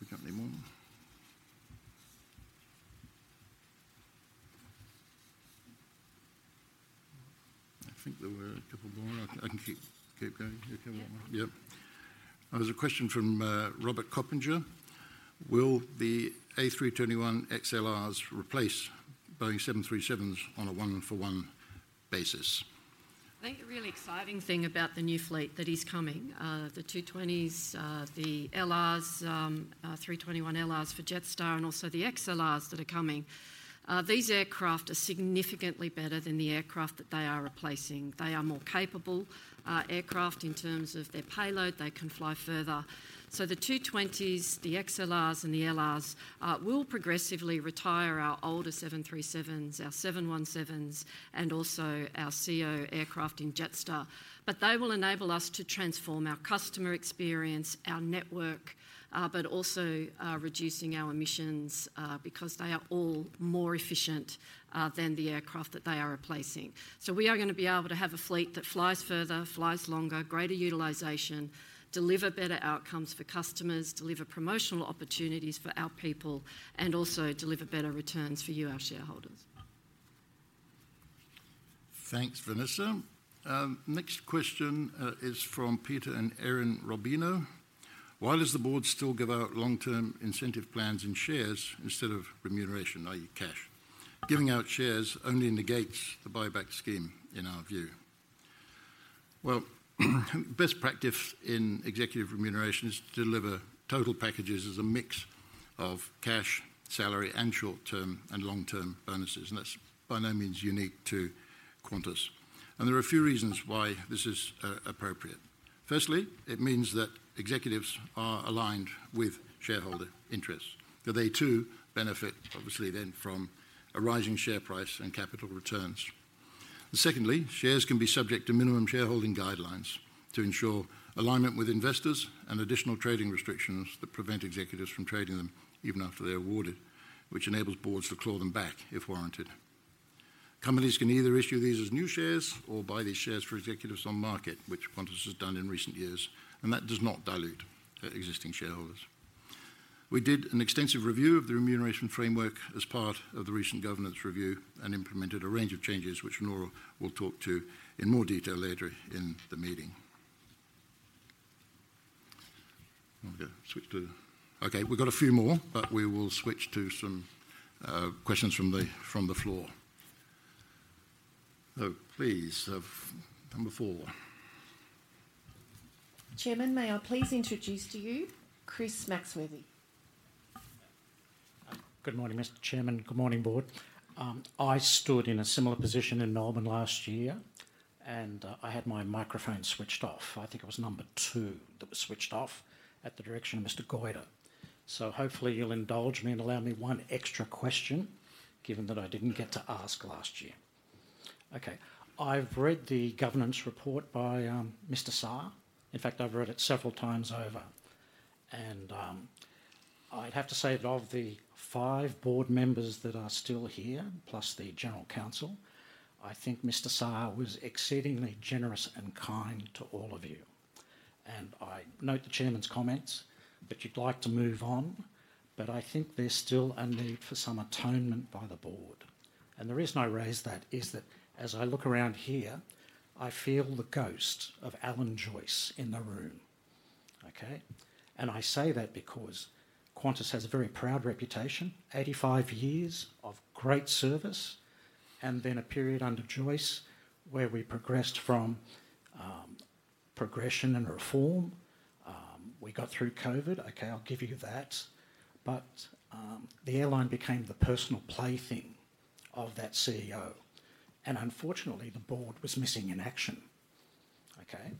We got any more? I think there were a couple more. I can keep going. You keep going on. There's a question from Robert Coppinger: Will the A321XLRs replace Boeing 737s on a one-for-one basis? I think the really exciting thing about the new fleet that is coming, the two-twenties, the LRs, three-twenty-one LRs for Jetstar, and also the XLRs that are coming, these aircraft are significantly better than the aircraft that they are replacing. They are more capable aircraft in terms of their payload. They can fly further. The two-twenties, the XLRs, and the LRs will progressively retire our older 737, 737s, and also our CEO aircraft in Jetstar. They will enable us to transform our customer experience, our network, but also reducing our emissions, because they are all more efficient than the aircraft that they are replacing. We are gonna be able to have a fleet that flies further, flies longer, greater utilization, deliver better outcomes for customers, deliver promotional opportunities for our people, and also deliver better returns for you, our shareholders. Thanks, Vanessa. Next question, is from Peter and Erin Robino: Why does the board still give out long-term incentive plans in shares instead of remuneration, i.e., cash? Giving out shares only negates the buyback scheme, in our view. Well, best practice in executive remuneration is to deliver total packages as a mix of cash, salary, and short-term and long-term bonuses, and that's by no means unique to Qantas. There are a few reasons why this is, appropriate. Firstly, it means that executives are aligned with shareholder interests, that they too benefit obviously then from a rising share price and capital returns. Secondly, shares can be subject to minimum shareholding guidelines to ensure alignment with investors and additional trading restrictions that prevent executives from trading them even after they're awarded, which enables boards to claw them back if warranted. Companies can either issue these as new shares or buy these shares for executives on market, which Qantas has done in recent years, and that does not dilute existing shareholders. We did an extensive review of the remuneration framework as part of the recent governance review and implemented a range of changes, which Nora will talk to in more detail later in the meeting. Okay, switch to. We've got a few more, but we will switch to some questions from the floor. Please, number four. Chairman, may I please introduce to you Chris Maxworthy? Good morning, Mr. Chairman. Good morning, board. I stood in a similar position in Melbourne last year, and I had my microphone switched off. I think it was number two that was switched off at the direction of Mr. Goyder. So hopefully you'll indulge me and allow me one extra question, given that I didn't get to ask last year. Okay, I've read the governance report by Mr. Saar. In fact, I've read it several times over, and I'd have to say that of the five board members that are still here, plus the general counsel, I think Mr. Saar was exceedingly generous and kind to all of you. And I note the chairman's comments that you'd like to move on, but I think there's still a need for some atonement by the board. The reason I raise that is that as I look around here, I feel the ghost of Alan Joyce in the room. Okay? I say that because Qantas has a very proud reputation, eighty-five years of great service, and then a period under Joyce where we progressed from, progression and reform. We got through COVID, okay, I'll give you that. The airline became the personal plaything of that CEO, and unfortunately, the board was missing in action. Okay?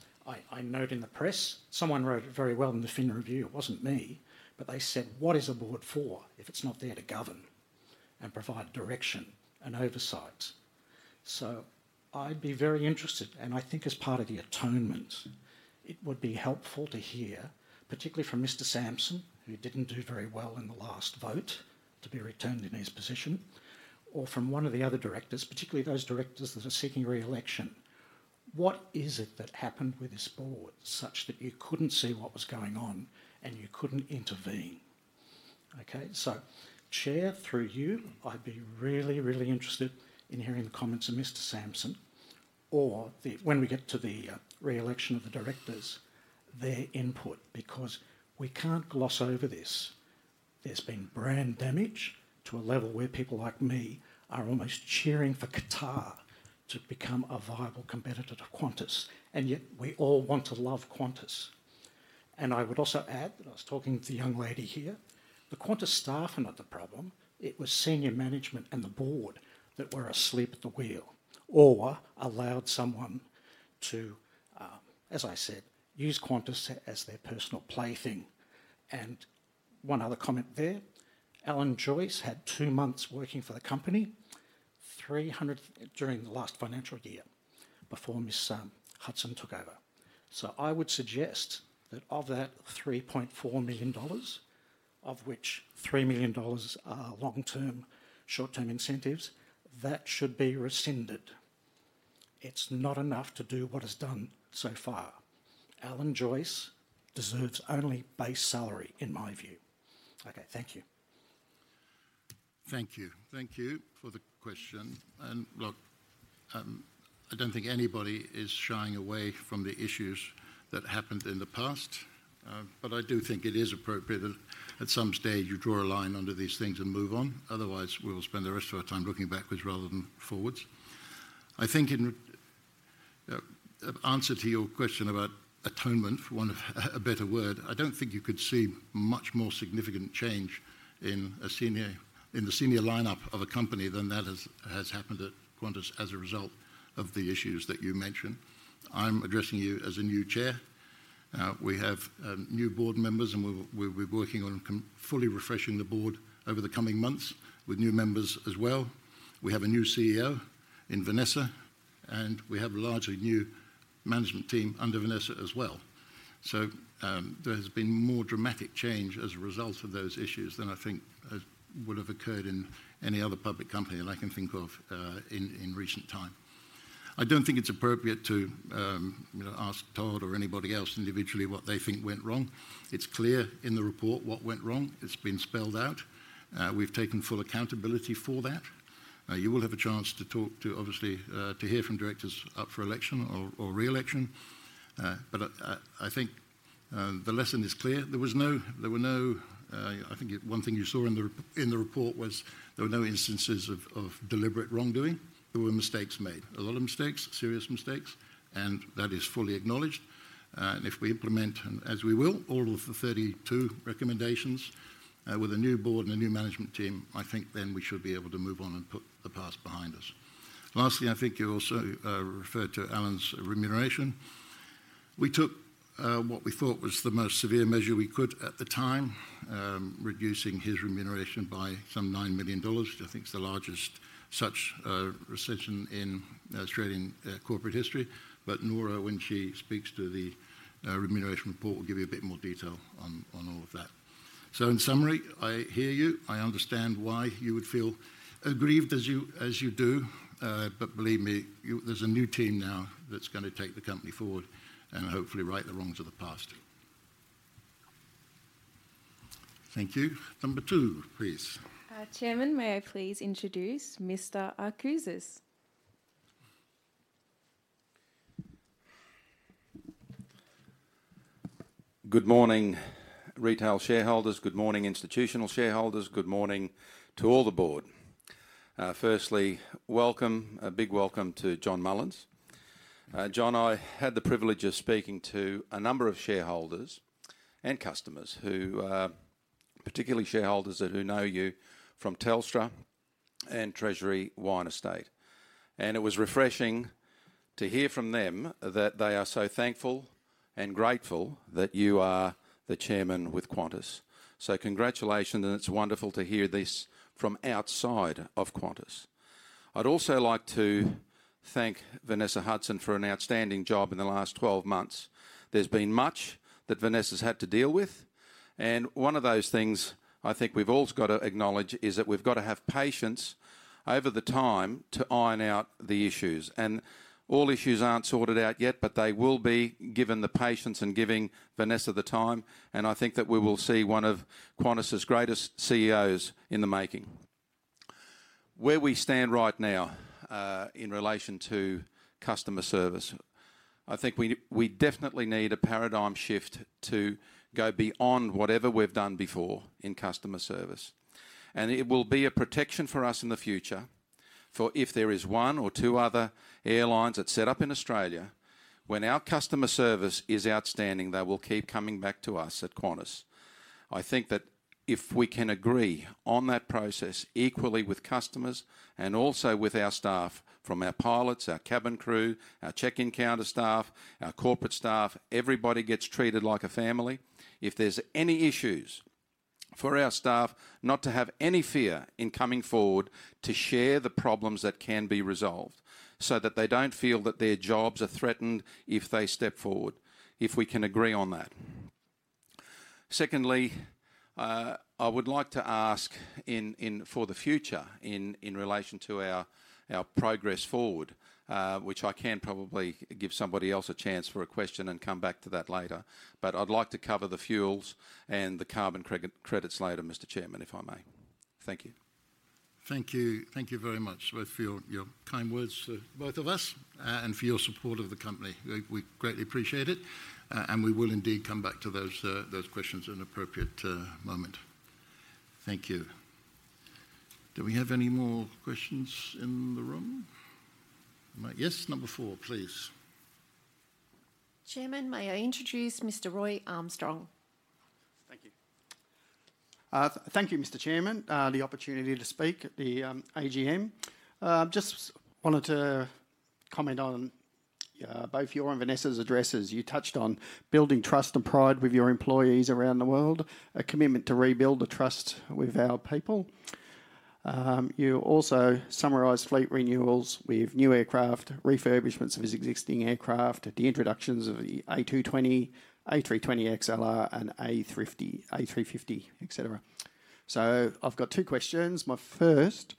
I note in the press, someone wrote it very well in the Fin Review. It wasn't me, but they said: What is a board for if it's not there to govern and provide direction and oversight? I'd be very interested, and I think as part of the atonement, it would be helpful to hear, particularly from Mr. Sampson, who didn't do very well in the last vote to be returned in his position, or from one of the other directors, particularly those directors that are seeking re-election: What is it that happened with this board such that you couldn't see what was going on, and you couldn't intervene? Okay, so Chair, through you, I'd be really, really interested in hearing the comments of Mr. Sampson or the, when we get to the re-election of the directors, their input, because we can't gloss over this. There's been brand damage to a level where people like me are almost cheering for Qatar to become a viable competitor to Qantas, and yet we all want to love Qantas. I would also add, and I was talking to the young lady here, the Qantas staff are not the problem. It was senior management and the board that were asleep at the wheel or allowed someone to, as I said, use Qantas as their personal plaything. One other comment there, Alan Joyce had two months working for the company, during the last financial year, before Ms. Hudson took over. I would suggest that of that 3.4 million dollars, of which 3 million dollars are long-term, short-term incentives, that should be rescinded. It's not enough to do what is done so far. Alan Joyce deserves only base salary, in my view. Okay, thank you. Thank you. Thank you for the question look, I don't think anybody is shying away from the issues that happened in the past, but I do think it is appropriate that at some stage you draw a line under these things and move on. Otherwise, we'll spend the rest of our time looking backwards rather than forwards. I think in answer to your question about atonement, for want of a better word, I don't think you could see much more significant change in the senior lineup of a company than that has happened at Qantas as a result of the issues that you mention. I'm addressing you as a new chair. We have new board members, and we're working on completely refreshing the board over the coming months with new members as well. We have a new CEO in Vanessa, and we have a largely new management team under Vanessa as well. There has been more dramatic change as a result of those issues than I think as would have occurred in any other public company that I can think of, in recent time. I don't think it's appropriate to, you know, ask Todd or anybody else individually what they think went wrong. It's clear in the report what went wrong. It's been spelled out. We've taken full accountability for that. You will have a chance to talk to, obviously, to hear from directors up for election or re-election. I think the lesson is clear: there was no, there were no. I think one thing you saw in the report was there were no instances of deliberate wrongdoing. There were mistakes made, a lot of mistakes, serious mistakes, and that is fully acknowledged, and if we implement, and as we will, all of the 32 recommendations, with a new board and a new management team, I think then we should be able to move on and put the past behind us. Lastly, I think you also referred to Alan's remuneration. We took what we thought was the most severe measure we could at the time, reducing his remuneration by some 9 million dollars, which I think is the largest such rescission in Australian corporate history. Nora, when she speaks to the remuneration report, will give you a bit more detail on all of that. In summary, I hear you. I understand why you would feel aggrieved as you do, but believe me, you, there's a new team now that's gonna take the company forward and hopefully right the wrongs of the past. Thank you. Number two, please. Chairman, may I please introduce Mr. Arkoudis? Good morning, retail shareholders. Good morning, institutional shareholders. Good morning to all the board. Firstly, welcome, a big welcome to John Mullen. John, I had the privilege of speaking to a number of shareholders and customers who, particularly shareholders who know you from Telstra and Treasury Wine Estates. It was refreshing to hear from them that they are so thankful and grateful that you are the Chairman with Qantas. So congratulations, and it's wonderful to hear this from outside of Qantas. I'd also like to thank Vanessa Hudson for an outstanding job in the last twelve months. There's been much that Vanessa's had to deal with, and one of those things I think we've also got to acknowledge is that we've got to have patience over the time to iron out the issues. All issues aren't sorted out yet, but they will be, given the patience and giving Vanessa the time, and I think that we will see one of Qantas's greatest CEOs in the making. Where we stand right now, in relation to customer service, I think we definitely need a paradigm shift to go beyond whatever we've done before in customer service, and it will be a protection for us in the future, for if there is one or two other airlines that set up in Australia, when our customer service is outstanding, they will keep coming back to us at Qantas. I think that if we can agree on that process equally with customers and also with our staff, from our pilots, our cabin crew, our check-in counter staff, our corporate staff, everybody gets treated like a family. If there's any issues, for our staff, not to have any fear in coming forward to share the problems that can be resolved, so that they don't feel that their jobs are threatened if they step forward, if we can agree on that. Secondly, I would like to ask in for the future, in relation to our progress forward, which I can probably give somebody else a chance for a question and come back to that later, but I'd like to cover the fuels and the carbon credits later, Mr. Chairman, if I may. Thank you. Thank you. Thank you very much, both for your kind words to both of us, and for your support of the company. We greatly appreciate it, and we will indeed come back to those questions at an appropriate moment. Thank you. Do we have any more questions in the room? May-- Yes, number four, please. Chairman, may I introduce Mr. Roy Armstrong? Thank you. Thank you, Mr. Chairman, the opportunity to speak at the AGM. Just wanted to comment on both your and Vanessa's addresses. You touched on building trust and pride with your employees around the world, a commitment to rebuild the trust with our people. You also summarized fleet renewals with new aircraft, refurbishments of existing aircraft, the introductions of the A220, A321XLR, and A350, et cetera. So I've got two questions. My first,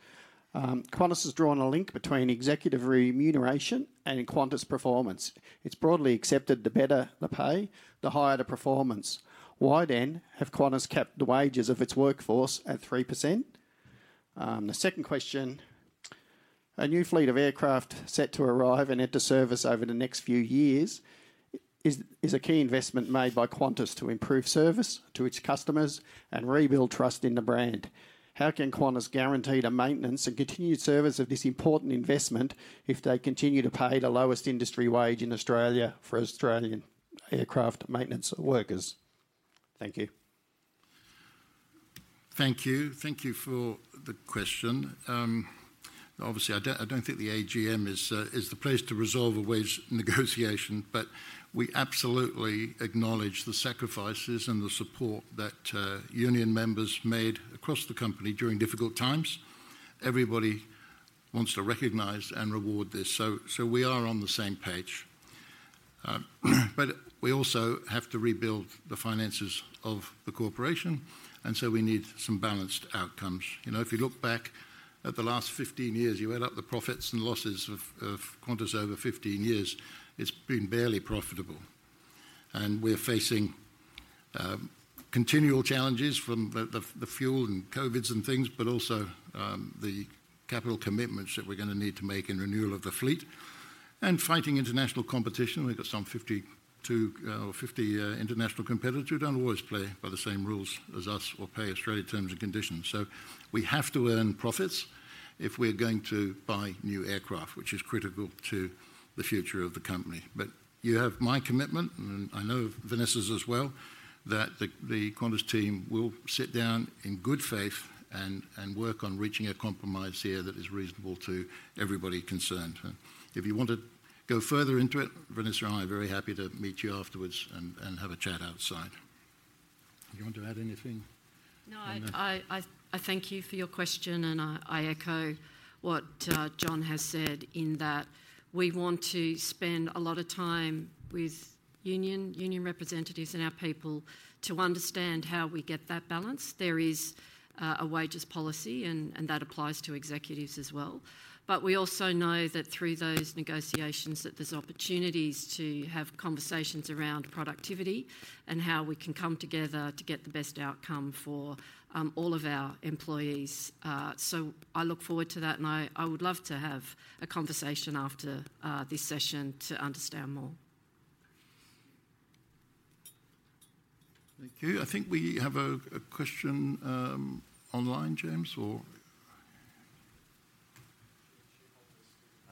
Qantas has drawn a link between executive remuneration and Qantas performance. It's broadly accepted, the better the pay, the higher the performance. Why then have Qantas kept the wages of its workforce at 3%? The second question: A new fleet of aircraft set to arrive and enter service over the next few years is a key investment made by Qantas to improve service to its customers and rebuild trust in the brand. How can Qantas guarantee the maintenance and continued service of this important investment if they continue to pay the lowest industry wage in Australia for Australian aircraft maintenance workers? Thank you. Thank you. Thank you for the question. Obviously, I don't think the AGM is the place to resolve a wage negotiation, but we absolutely acknowledge the sacrifices and the support that union members made across the company during difficult times. Everybody wants to recognize and reward this, so we are on the same page. We also have to rebuild the finances of the corporation, and so we need some balanced outcomes. If you look back at the last 15 years, you add up the profits and losses of Qantas over 15 years, it's been barely profitable, and we're facing continual challenges from the fuel and COVIDs and things, but also the capital commitments that we're gonna need to make in renewal of the fleet and fighting international competition. We've got some 52 or 50 international competitors who don't always play by the same rules as us or pay Australian terms and conditions. We have to earn profits if we're going to buy new aircraft, which is critical to the future of the company. You have my commitment, and I know Vanessa's as well, that the Qantas team will sit down in good faith and work on reaching a compromise here that is reasonable to everybody concerned. If you want to go further into it, Vanessa and I are very happy to meet you afterwards and have a chat outside. Do you want to add anything? Thank you for your question, and I echo what John has said in that we want to spend a lot of time with union representatives and our people to understand how we get that balance. There is a wages policy, and that applies to executives as well. We also know that through those negotiations, that there's opportunities to have conversations around productivity and how we can come together to get the best outcome for all of our employees. I look forward to that, and I would love to have a conversation after this session to understand more. Thank you. I think we have a question online, James, or?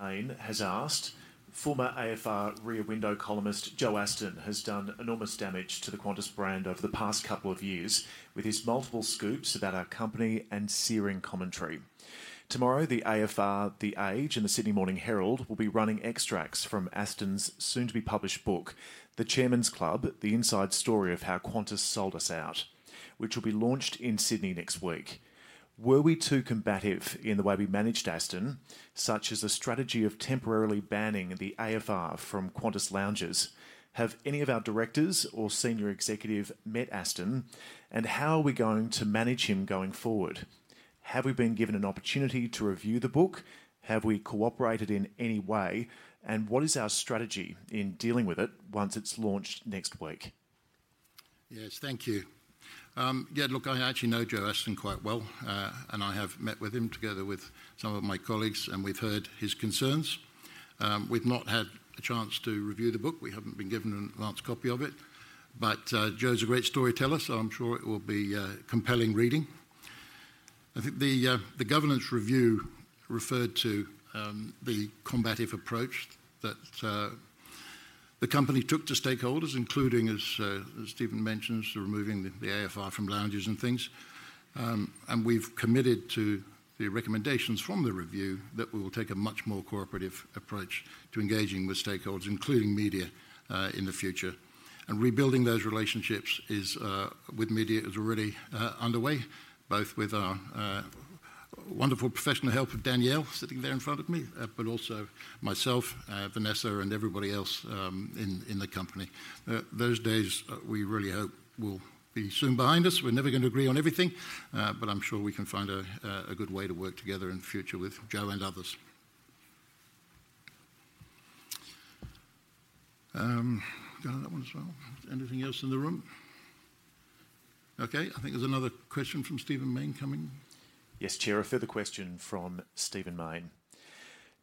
Iryn has asked former AFR Rear Window columnist Joe Aston has done enormous damage to the Qantas brand over the past couple of years with his multiple scoops about our company and searing commentary. Tomorrow, the AFR, The Age, and The Sydney Morning Herald will be running extracts from Aston's soon-to-be-published book, The Chairman's Club: The Inside Story of How Qantas Sold Us Out, which will be launched in Sydney next week. Were we too combative in the way we managed Aston, such as a strategy of temporarily banning the AFR from Qantas lounges? Have any of our directors or senior executive met Aston, and how are we going to manage him going forward? Have we been given an opportunity to review the book? Have we cooperated in any way, and what is our strategy in dealing with it once it's launched next week? Yes, thank you. Yeah, look, I actually know Joe Aston quite well, and I have met with him, together with some of my colleagues, and we've heard his concerns. We've not had a chance to review the book. We haven't been given an advance copy of it, but, Joe's a great storyteller, so I'm sure it will be, compelling reading. I think the, the governance review referred to, the combative approach that, the company took to stakeholders, including, as, as Stephen mentioned, removing the, the AFR from lounges and things. And we've committed to the recommendations from the review that we will take a much more cooperative approach to engaging with stakeholders, including media, in the future. Rebuilding those relationships is with media already underway, both with our wonderful professional help of Danielle, sitting there in front of me, but also myself, Vanessa, and everybody else, in the company. Those days we really hope will be soon behind us. We're never going to agree on everything, but I'm sure we can find a good way to work together in the future with Joe and others. Got that one as well. Anything else in the room? Okay, I think there's another question from Stephen Mayne coming. Yes, Chair. A further question from Stephen Mayne: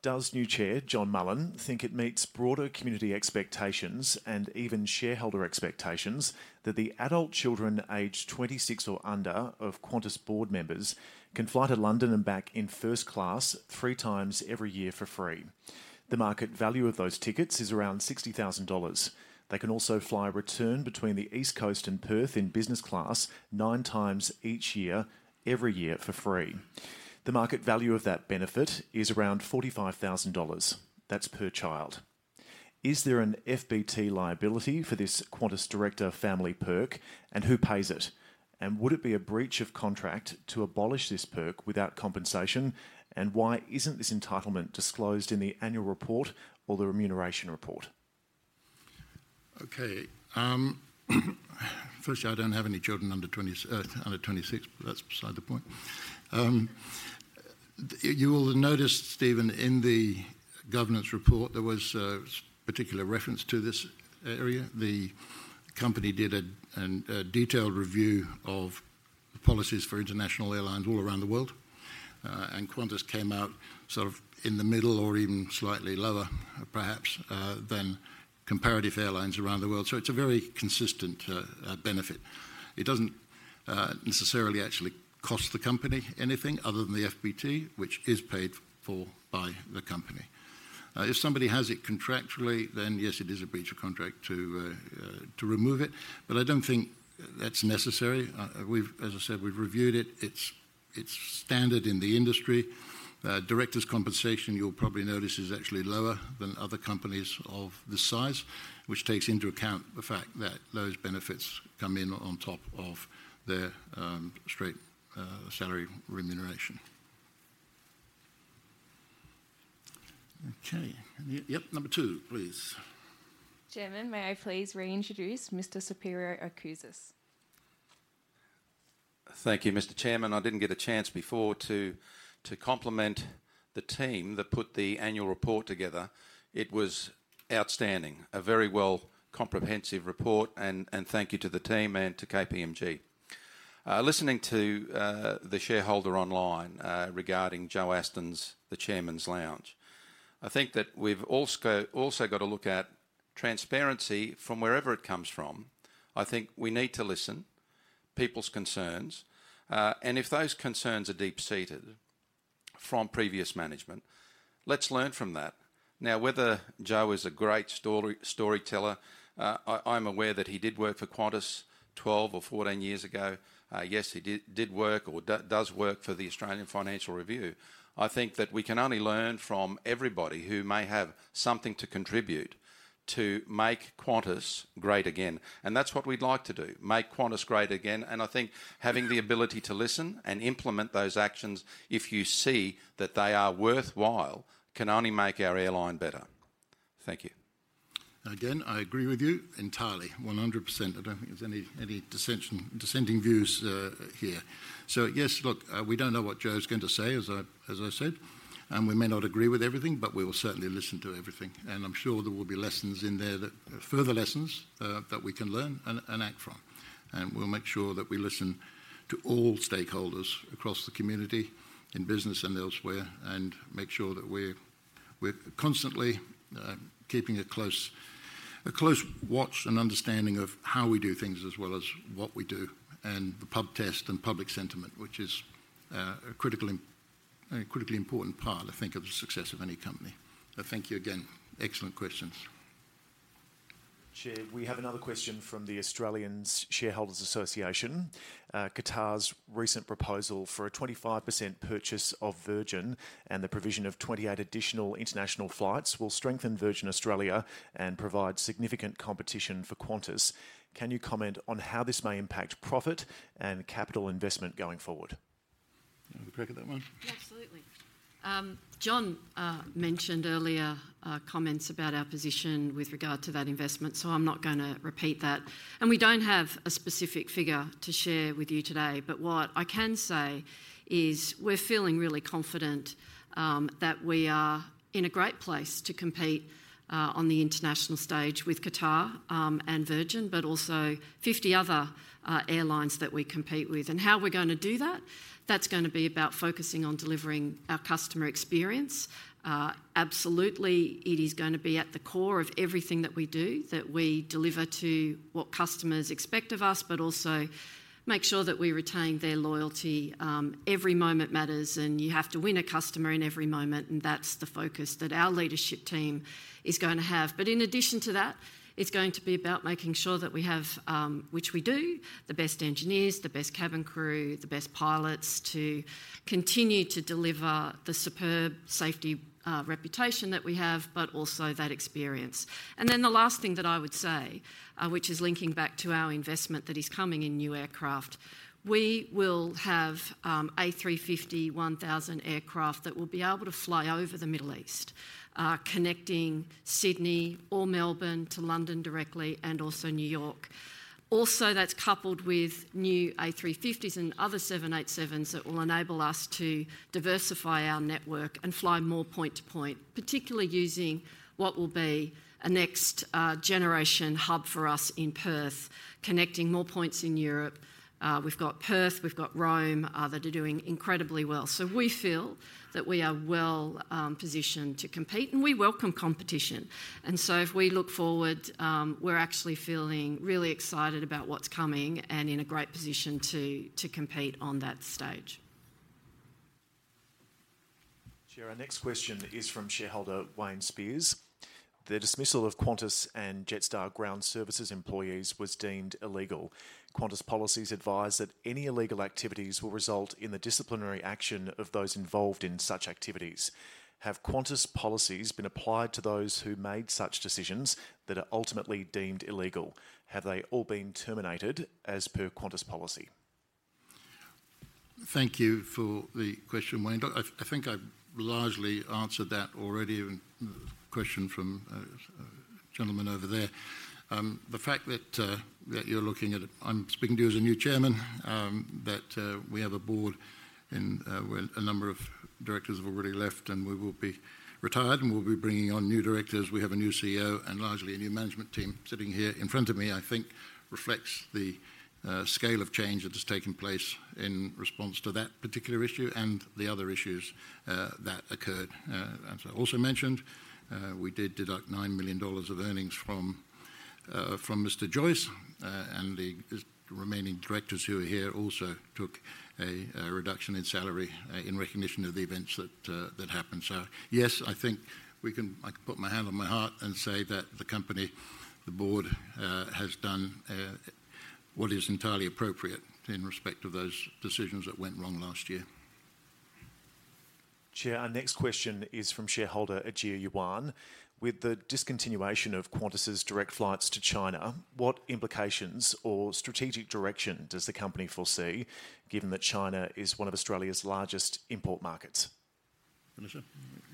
Does new Chair, John Mullen, think it meets broader community expectations, and even shareholder expectations, that the adult children aged 26 or under of Qantas board members can fly to London and back in first class three times every year for free? The market value of those tickets is around 60,000 dollars. They can also fly return between the East Coast and Perth in business class, nine times each year, every year for free. The market value of that benefit is around 45,000 dollars. That's per child. Is there an FBT liability for this Qantas director family perk, and who pays it? Would it be a breach of contract to abolish this perk without compensation, and why isn't this entitlement disclosed in the annual report or the remuneration report? Okay, firstly, I don't have any children under twenty-six, but that's beside the point. You will have noticed, Stephen, in the governance report, there was a particular reference to this area. The company did a detailed review of policies for international airlines all around the world, and Qantas came out sort of in the middle or even slightly lower, perhaps, than comparative airlines around the world. So it's a very consistent benefit. It doesn't necessarily actually cost the company anything other than the FBT, which is paid for by the company. If somebody has it contractually, then yes, it is a breach of contract to remove it, but I don't think that's necessary. We've, as I said, reviewed it. It's standard in the industry. Directors' compensation, you'll probably notice, is actually lower than other companies of this size, which takes into account the fact that those benefits come in on top of their straight salary remuneration. Okay. Yep, number two, please. Chairman, may I please reintroduce Mr. Spiro Arkoudis? Thank you, Mr. Chairman. I didn't get a chance before to compliment the team that put the annual report together. It was outstanding. A very well comprehensive report, and thank you to the team and to KPMG. Listening to the shareholder online regarding Joe Aston's The Chairman's Club, I think that we've also got to look at transparency from wherever it comes from. I think we need to listen to people's concerns, and if those concerns are deep-seated from previous management, let's learn from that. Now, whether Joe is a great storyteller, I'm aware that he did work for Qantas 12 or 14 years ago. Yes, he did work or does work for the Australian Financial Review. I think that we can only learn from everybody who may have something to contribute to make Qantas great again, and that's what we'd like to do, make Qantas great again. I think having the ability to listen and implement those actions, if you see that they are worthwhile, can only make our airline better. Thank you. Again, I agree with you entirely, 100%. I don't think there's any dissension, dissenting views here. Yes, look, we don't know what Joe's going to say, as I said, and we may not agree with everything, but we will certainly listen to everything. I'm sure there will be lessons in there that further lessons that we can learn and act from. And we'll make sure that we listen to all stakeholders across the community, in business and elsewhere, and make sure that we're constantly keeping a close watch and understanding of how we do things as well as what we do, and the pub test and public sentiment, which is a critically important part, I think, of the success of any company. Thank you again. Excellent questions. Chair, we have another question from the Australian Shareholders' Association. Qatar's recent proposal for a 25% purchase of Virgin and the provision of 28 additional international flights will strengthen Virgin Australia and provide significant competition for Qantas. Can you comment on how this may impact profit and capital investment going forward? You want a crack at that one? Absolutely. John mentioned earlier comments about our position with regard to that investment, so I'm not going to repeat that. We don't have a specific figure to share with you today, but what I can say is, we're feeling really confident that we are in a great place to compete on the international stage with Qatar and Virgin, but also 50 other airlines that we compete with. How we're going to do that? That's going to be about focusing on delivering our customer experience. Absolutely, it is going to be at the core of everything that we do, that we deliver to what customers expect of us, but also make sure that we retain their loyalty. Every moment matters, and you have to win a customer in every moment, and that's the focus that our leadership team is going to have. In addition to that, it's going to be about making sure that we have, which we do, the best engineers, the best cabin crew, the best pilots to continue to deliver the superb safety reputation that we have, but also that experience. Then the last thing that I would say, which is linking back to our investment that is coming in new aircraft, we will have A350-1000 aircraft that will be able to fly over the Middle East, connecting Sydney or Melbourne to London directly, and also New York. Also, that's coupled with new A350s and other 787s that will enable us to diversify our network and fly more point to point, particularly using what will be a next generation hub for us in Perth, connecting more points in Europe. We've got Perth, we've got Rome that are doing incredibly well. We feel that we are well positioned to compete, and we welcome competition. If we look forward, we're actually feeling really excited about what's coming and in a great position to compete on that stage. Chair, our next question is from shareholder Wayne Spears: The dismissal of Qantas and Jetstar ground services employees was deemed illegal. Qantas policies advise that any illegal activities will result in the disciplinary action of those involved in such activities. Have Qantas policies been applied to those who made such decisions that are ultimately deemed illegal? Have they all been terminated as per Qantas policy? Thank you for the question, Wayne. I think I largely answered that already in the question from the gentleman over there. The fact that that you're looking at, I'm speaking to you as a new Chairman, that we have a board, and well, a number of directors have already left, and we will be retired, and we'll be bringing on new directors. We have a new CEO and largely a new management team sitting here in front of me, I think reflects the scale of change that has taken place in response to that particular issue and the other issues that occurred. As I also mentioned, we did deduct 9 million dollars of earnings from Mr Joyce, and the remaining directors who are here also took a reduction in salary, in recognition of the events that happened. So, yes, I think we can. I can put my hand on my heart and say that the company, the board, has done what is entirely appropriate in respect to those decisions that went wrong last year. Chair, our next question is from shareholder Ajia Yuan: With the discontinuation of Qantas's direct flights to China, what implications or strategic direction does the company foresee, given that China is one of Australia's largest import market. Alicia?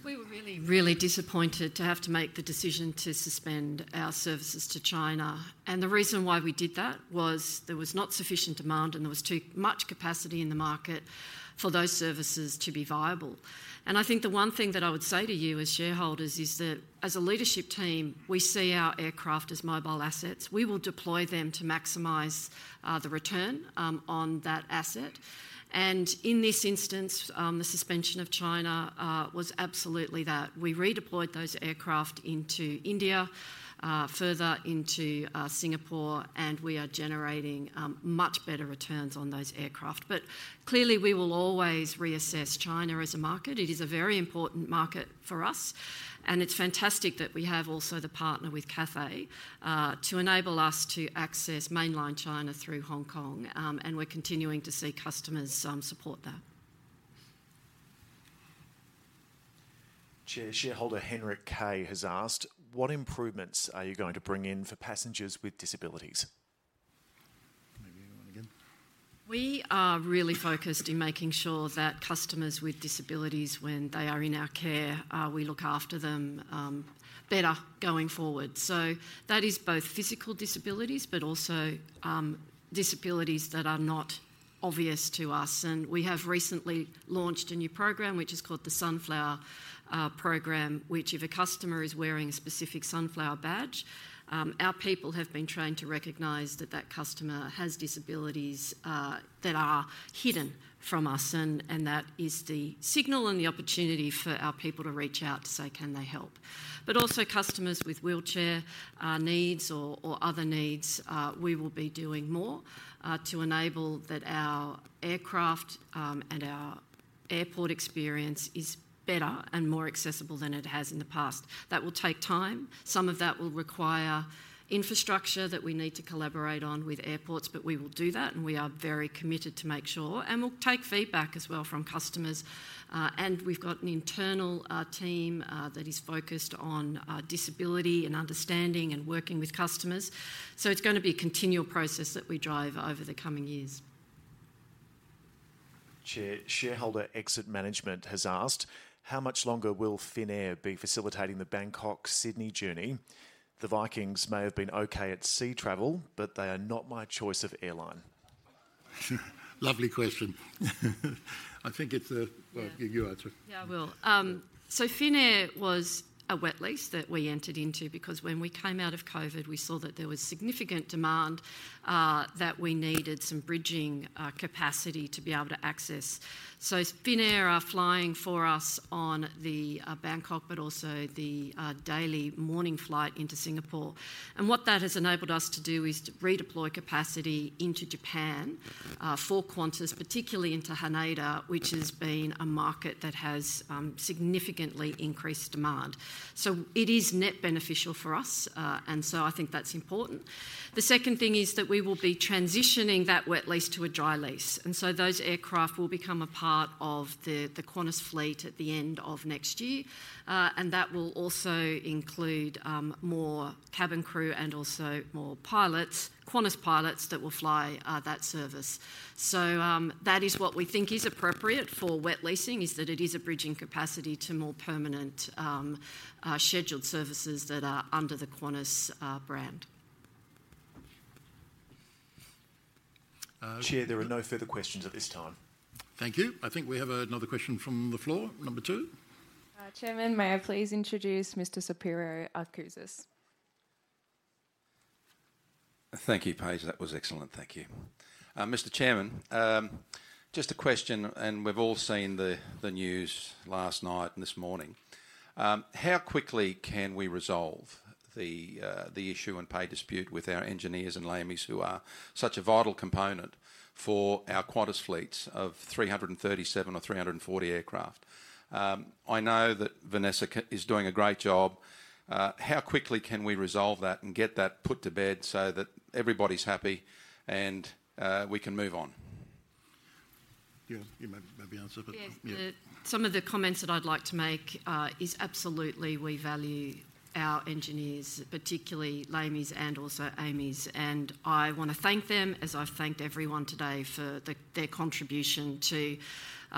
We were really, really disappointed to have to make the decision to suspend our services to China. The reason why we did that was there was not sufficient demand, and there was too much capacity in the market for those services to be viable. I think the one thing that I would say to you as shareholders is that, as a leadership team, we see our aircraft as mobile assets. We will deploy them to maximize the return on that asset. In this instance, the suspension of China was absolutely that. We redeployed those aircraft into India further into Singapore, and we are generating much better returns on those aircraft. Clearly, we will always reassess China as a market. It is a very important market for us, and it's fantastic that we have also the partner with Cathay to enable us to access mainland China through Hong Kong, and we're continuing to see customers support that. Chair, shareholder Henrik Kaye has asked: What improvements are you going to bring in for passengers with disabilities? Maybe you again. We are really focused in making sure that customers with disabilities, when they are in our care, we look after them better going forward. That is both physical disabilities, but also disabilities that are not obvious to us. We have recently launched a new program, which is called the Sunflower Program, which if a customer is wearing a specific sunflower badge, our people have been trained to recognize that customer has disabilities that are hidden from us. That is the signal and the opportunity for our people to reach out to say, can they help? Customers with wheelchair needs or other needs, we will be doing more to enable that our aircraft and our airport experience is better and more accessible than it has in the past. That will take time. Some of that will require infrastructure that we need to collaborate on with airports, but we will do that, and we are very committed to make sure, and we'll take feedback as well from customers, and we've got an internal team that is focused on disability and understanding and working with customers. It's gonna be a continual process that we drive over the coming years. Chair, shareholder Exit Management has asked: How much longer will Finnair be facilitating the Bangkok-Sydney journey? The Vikings may have been okay at sea travel, but they are not my choice of airline. Lovely question. I think it's, Yeah. You answer it. Yeah, I will. Finnair was a wet lease that we entered into because when we came out of COVID, we saw that there was significant demand, that we needed some bridging capacity to be able to access. Finnair are flying for us on the Bangkok, but also the daily morning flight into Singapore. What that has enabled us to do is to redeploy capacity into Japan for Qantas, particularly into Haneda, which has been a market that has significantly increased demand. It is net beneficial for us, and so I think that's important. The second thing is that we will be transitioning that wet lease to a dry lease, and so those aircraft will become a part of the Qantas fleet at the end of next year. That will also include more cabin crew and also more pilots, Qantas pilots, that will fly that service. That is what we think is appropriate for wet leasing, is that it is a bridging capacity to more permanent scheduled services that are under the Qantas brand. Chair, there are no further questions at this time. Thank you. I think we have another question from the floor, number two. Chairman, may I please introduce Mr. Spiro Arkoudis? Thank you, Paige. That was excellent, thank you. Mr. Chairman, just a question, and we've all seen the news last night and this morning. How quickly can we resolve the issue and pay dispute with our engineers and LAMEs, who are such a vital component for our Qantas fleets of three hundred and thirty-seven or three hundred and forty aircraft? I know that Vanessa's doing a great job. How quickly can we resolve that and get that put to bed so that everybody's happy, and we can move on? Yeah, you may answer, but- Some of the comments that I'd like to make is absolutely we value our engineers, particularly LAMEs and also AMEs, and I wanna thank them, as I've thanked everyone today, for their contribution to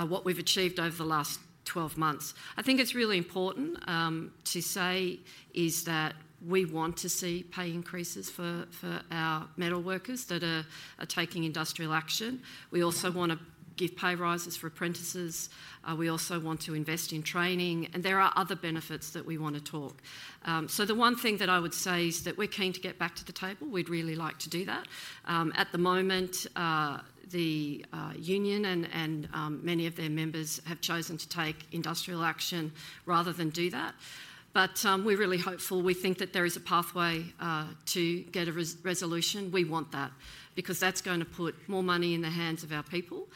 what we've achieved over the last twelve months. I think it's really important to say is that we want to see pay increases for our metal workers that are taking industrial action. We also wanna give pay rises for apprentices. We also want to invest in training, and there are other benefits that we wanna talk. So the one thing that I would say is that we're keen to get back to the table. We'd really like to do that. At the moment, the union and many of their members have chosen to take industrial action rather than do that. We're really hopeful. We think that there is a pathway to get a resolution. We want that, because that's gonna put more money in the hands of our people.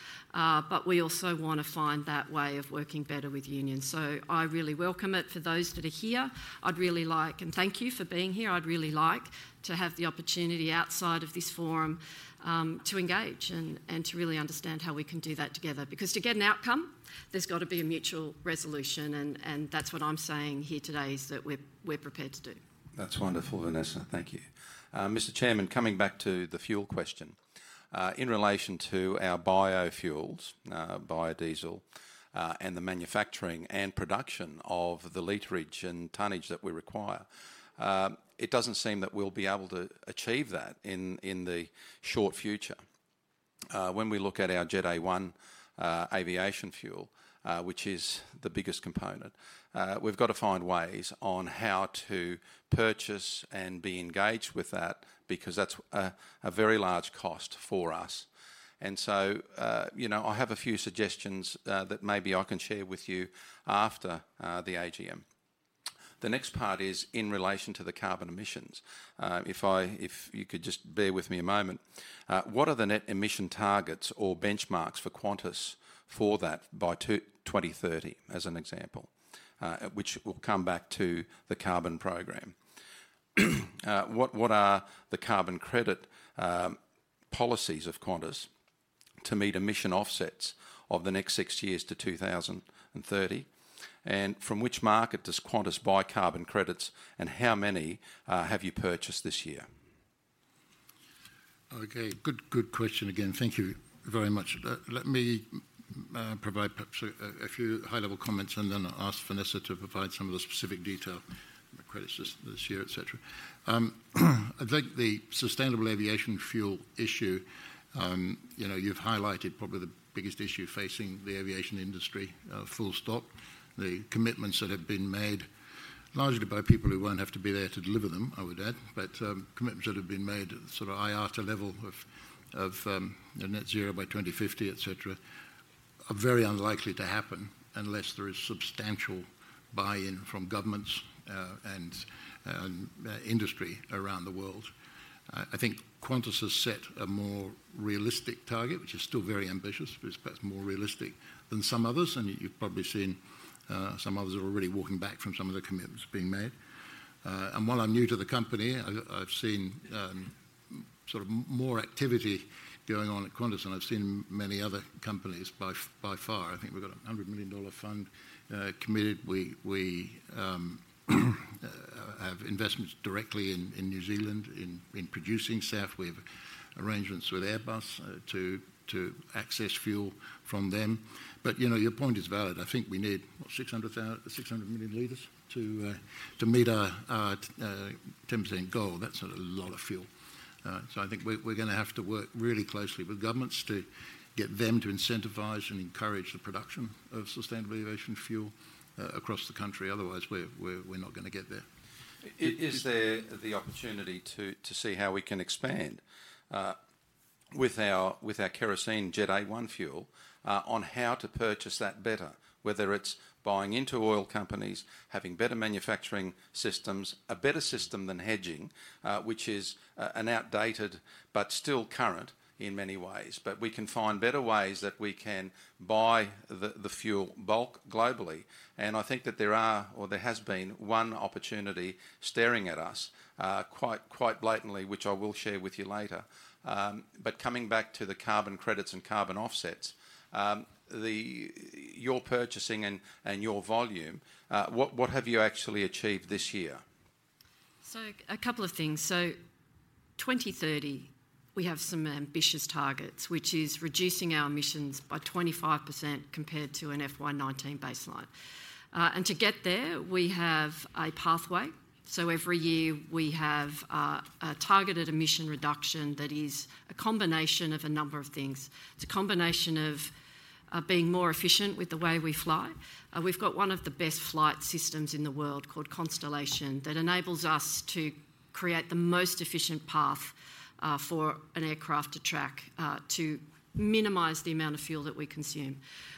We also wanna find that way of working better with unions. I really welcome it. For those that are here, I'd really like. Thank you for being here. I'd really like to have the opportunity outside of this forum to engage and to really understand how we can do that together. To get an outcome, there's got to be a mutual resolution, and that's what I'm saying here today is that we're prepared to do. That's wonderful, Vanessa. Thank you. Mr. Chairman, coming back to the fuel question, in relation to our biofuels, biodiesel, and the manufacturing and production of the literage and tonnage that we require, it doesn't seem that we'll be able to achieve that in the short future. When we look at our Jet A-1 aviation fuel, which is the biggest component, we've got to find ways on how to purchase and be engaged with that because that's a very large cost for us. I have a few suggestions that maybe I can share with you after the AGM. The next part is in relation to the carbon emissions. If you could just bear with me a moment, what are the net emission targets or benchmarks for Qantas for that by 2030, as an example? Which we'll come back to the carbon program. What are the carbon credit policies of Qantas to meet emission offsets of the next six years to 2030, and from which market does Qantas buy carbon credits, and how many have you purchased this year? Okay, good, good question again. Thank you very much. Let me provide perhaps a few high-level comments, and then I'll ask Vanessa to provide some of the specific detail, the credits this year, et cetera. I think the sustainable aviation fuel issue, you've highlighted probably the biggest issue facing the aviation industry, full stop. The commitments that have been made, largely by people who won't have to be there to deliver them, I would add, but commitments that have been made at the sort of IATA level of net zero by 2050, et cetera, are very unlikely to happen unless there is substantial buy-in from governments, and industry around the world. I think Qantas has set a more realistic target, which is still very ambitious, but it's perhaps more realistic than some others, and you've probably seen, some others are already walking back from some of the commitments being made. While I'm new to the company, I've seen more activity going on at Qantas than I've seen in many other companies, by far. I think we've got a 100 million dollar fund committed. We have investments directly in New Zealand in producing SAF. We have arrangements with Airbus to access fuel from them. But you know, your point is valid. I think we need, what, 600 thousand, 600 million liters to meet our 10% goal. That's a lot of fuel. I think we're gonna have to work really closely with governments to get them to incentivize and encourage the production of sustainable aviation fuel across the country, otherwise we're not gonna get there. Is there the opportunity to see how we can expand with our kerosene Jet A-1 fuel on how to purchase that better? Whether it's buying into oil companies, having better manufacturing systems, a better system than hedging, which is an outdated but still current in many ways. We can find better ways that we can buy the fuel bulk globally, and I think that there are, or there has been, one opportunity staring at us quite blatantly, which I will share with you later. Coming back to the carbon credits and carbon offsets, your purchasing and your volume, what have you actually achieved this year? A couple of things. 2030, we have some ambitious targets, which is reducing our emissions by 25% compared to an FY 2019 baseline. To get there, we have a pathway. So every year we have a targeted emission reduction that is a combination of a number of things. It's a combination of being more efficient with the way we fly. We've got one of the best flight systems in the world called Constellation, that enables us to create the most efficient path for an aircraft to track to minimize the amount of fuel that we consume.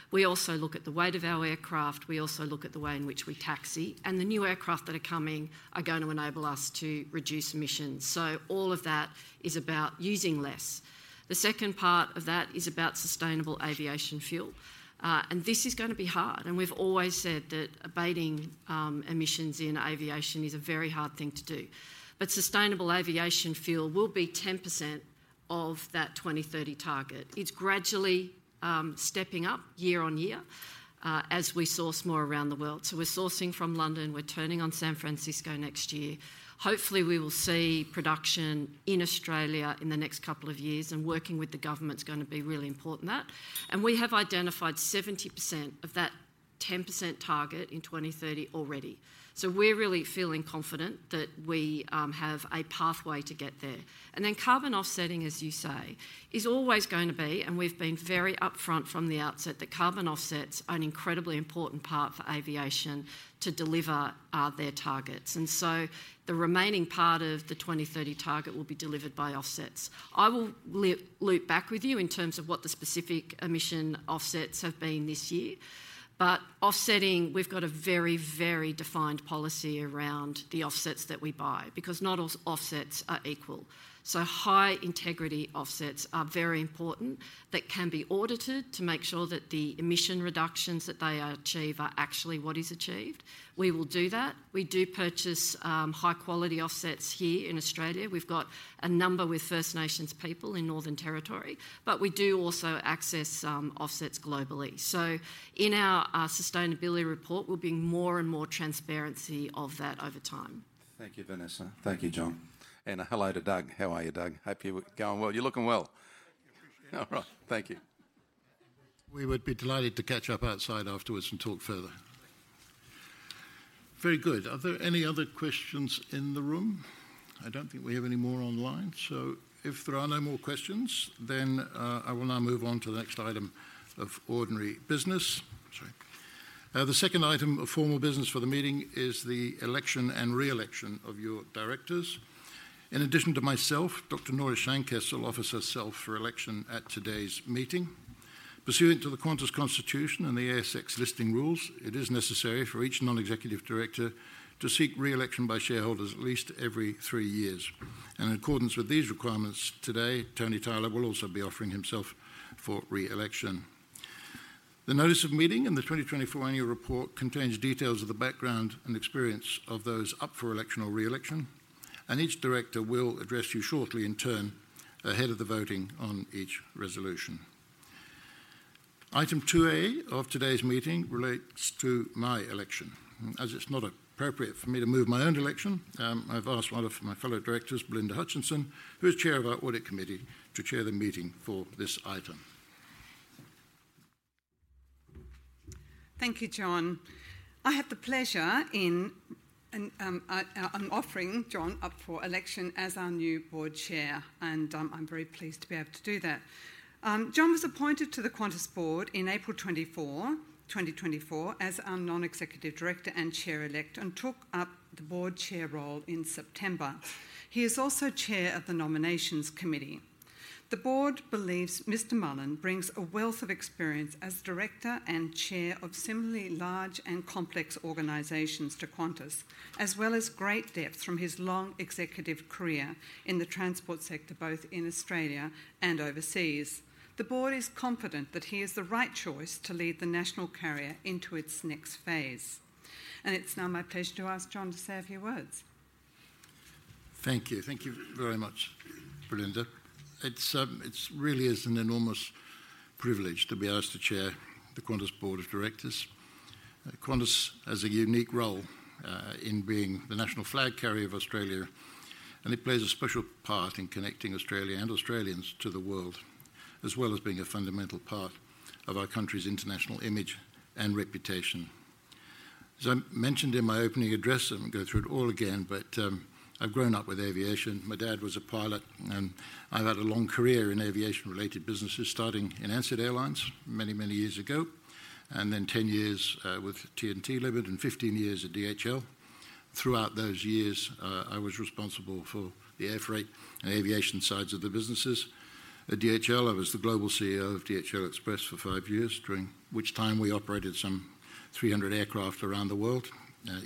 We also look at the weight of our aircraft. We also look at the way in which we taxi, and the new aircraft that are coming are going to enable us to reduce emissions. All of that is about using less. The second part of that is about sustainable aviation fuel. And this is gonna be hard, and we've always said that abating emissions in aviation is a very hard thing to do. Sustainable aviation fuel will be 10% of that 2030 target. It's gradually stepping up year on year as we source more around the world. We're sourcing from London. We're turning on San Francisco next year. Hopefully, we will see production in Australia in the next couple of years, and working with the government's gonna be really important in that. We have identified 70% of that 10% target in 2030 already. We're really feeling confident that we have a pathway to get there. Then carbon offsetting, as you say, is always going to be, and we've been very upfront from the outset, that carbon offsets are an incredibly important part for aviation to deliver their targets. The remaining part of the 2030 target will be delivered by offsets. I will loop back with you in terms of what the specific emission offsets have been this year. Offsetting, we've got a very, very defined policy around the offsets that we buy, because not all offsets are equal. So high-integrity offsets are very important, that can be audited to make sure that the emission reductions that they achieve are actually what is achieved. We will do that. We do purchase high-quality offsets here in Australia. We've got a number with First Nations people in Northern Territory, but we do also access offsets globally. In our sustainability report, there will be more and more transparency of that over time. Thank you, Vanessa. Thank you, John. Hello to Doug. How are you, Doug? Hope you are going well. You're looking well. Thank you. Appreciate it. All right. Thank you. We would be delighted to catch up outside afterwards and talk further. Very good. Are there any other questions in the room? I don't think we have any more online, so if there are no more questions, then, I will now move on to the next item of ordinary business. Sorry. The second item of formal business for the meeting is the election and re-election of your directors. In addition to myself, Dr. Nora Scheinkestel offers herself for election at today's meeting. Pursuant to the Qantas Constitution and the ASX Listing Rules, it is necessary for each non-executive director to seek re-election by shareholders at least every three years. In accordance with these requirements today, Antony Tyler will also be offering himself for re-election. The notice of meeting in the 2024 annual report contains details of the background and experience of those up for election or re-election, and each director will address you shortly in turn, ahead of the voting on each resolution. Item 2A of today's meeting relates to my election. As it's not appropriate for me to move my own election, I've asked one of my fellow directors, Belinda Hutchinson, who is chair of our audit committee, to chair the meeting for this item. Thank you, John. I have the pleasure in, and, I, I'm offering John up for election as our new board chair, and I'm very pleased to be able to do that. John was appointed to the Qantas board in April 2024, as our non-executive director and chair-elect, and took up the board chair role in September. He is also chair of the nominations committee. The board believes Mr Mullen brings a wealth of experience as director and chair of similarly large and complex organizations to Qantas, as well as great depth from his long executive career in the transport sector, both in Australia and overseas. The board is confident that he is the right choice to lead the national carrier into its next phase. It's now my pleasure to ask John to say a few words. Thank you. Thank you very much, Belinda. It's, it really is an enormous privilege to be asked to chair the Qantas Board of Directors. Qantas has a unique role in being the national flag carrier of Australia, and it plays a special part in connecting Australia and Australians to the world, as well as being a fundamental part of our country's international image and reputation. As I mentioned in my opening address, I won't go through it all again, but I've grown up with aviation. My dad was a pilot, and I've had a long career in aviation-related businesses, starting in Ansett Airlines many, many years ago, and then 10 years with TNT Limited and 15 years at DHL. Throughout those years, I was responsible for the air freight and aviation sides of the businesses. At DHL, I was the global CEO of DHL Express for five years, during which time we operated some three hundred aircraft around the world,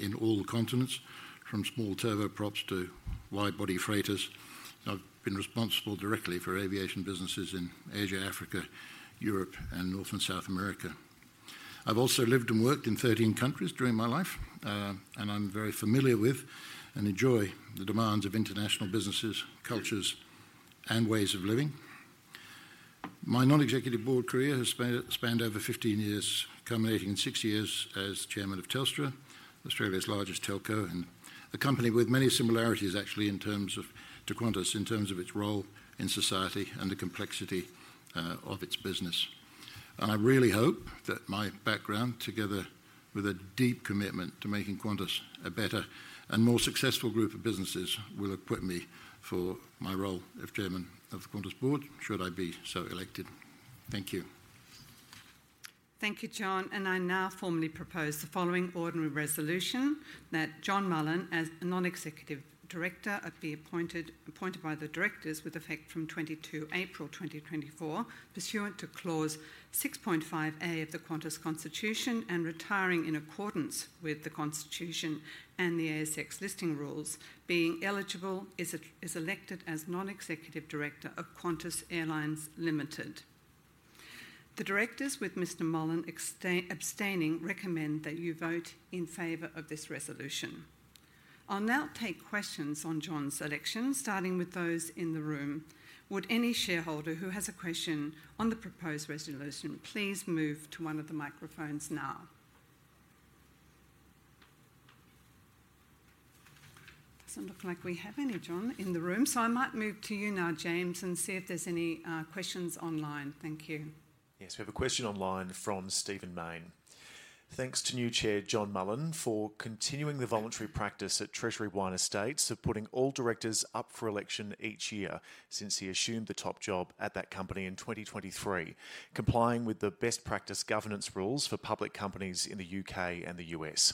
in all the continents, from small turboprops to wide-body freighters. I've been responsible directly for aviation businesses in Asia, Africa, Europe, and North and South America. I've also lived and worked in thirteen countries during my life, and I'm very familiar with and enjoy the demands of international businesses, cultures, and ways of living. My non-executive board career has spanned over fifteen years, culminating in six years as chairman of Telstra, Australia's largest telco, and a company with many similarities, actually, in terms of, to Qantas, in terms of its role in society and the complexity of its business. I really hope that my background, together with a deep commitment to making Qantas a better and more successful group of businesses, will equip me for my role of chairman of the Qantas board, should I be so elected. Thank you. Thank you, John, and I now formally propose the following ordinary resolution: That John Mullen, as a non-executive director, appointed by the directors with effect from twenty-two April twenty twenty-four, pursuant to Clause six point five A of the Qantas Constitution and retiring in accordance with the Constitution and the ASX listing rules, being eligible, is elected as non-executive director of Qantas Airways Limited. The directors, with Mr. Mullen abstaining, recommend that you vote in favor of this resolution. I'll now take questions on John's election, starting with those in the room. Would any shareholder who has a question on the proposed resolution please move to one of the microphones now? Doesn't look like we have any, John, in the room, so I might move to you now, James, and see if there's any questions online. Thank you. Yes, we have a question online from Stephen Mayne. "Thanks to new chair John Mullen for continuing the voluntary practice at Treasury Wine Estates of putting all directors up for election each year since he assumed the top job at that company in 2023, complying with the best practice governance rules for public companies in the U.K. and the U.S.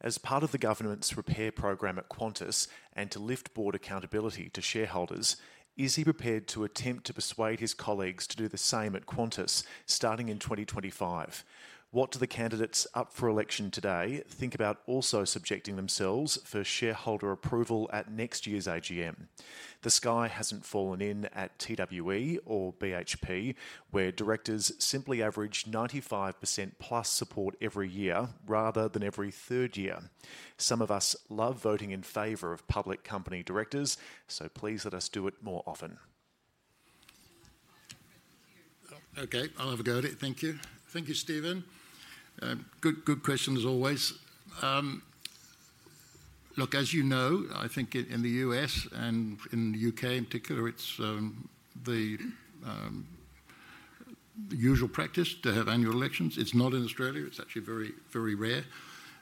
As part of the governance repair program at Qantas, and to lift board accountability to shareholders, is he prepared to attempt to persuade his colleagues to do the same at Qantas, starting in 2025? What do the candidates up for election today think about also subjecting themselves for shareholder approval at next year's AGM? The sky hasn't fallen in at TWE or BHP, where directors simply average 95% plus support every year rather than every third year. Some of us love voting in favor of public company directors, so please let us do it more often. Okay, I'll have a go at it. Thank you. Thank you, Stephen. Good question, as always. Look, as you know, I think in the U.S. and in the U.K. in particular, it's the usual practice to have annual elections. It's not in Australia. It's actually very, very rare.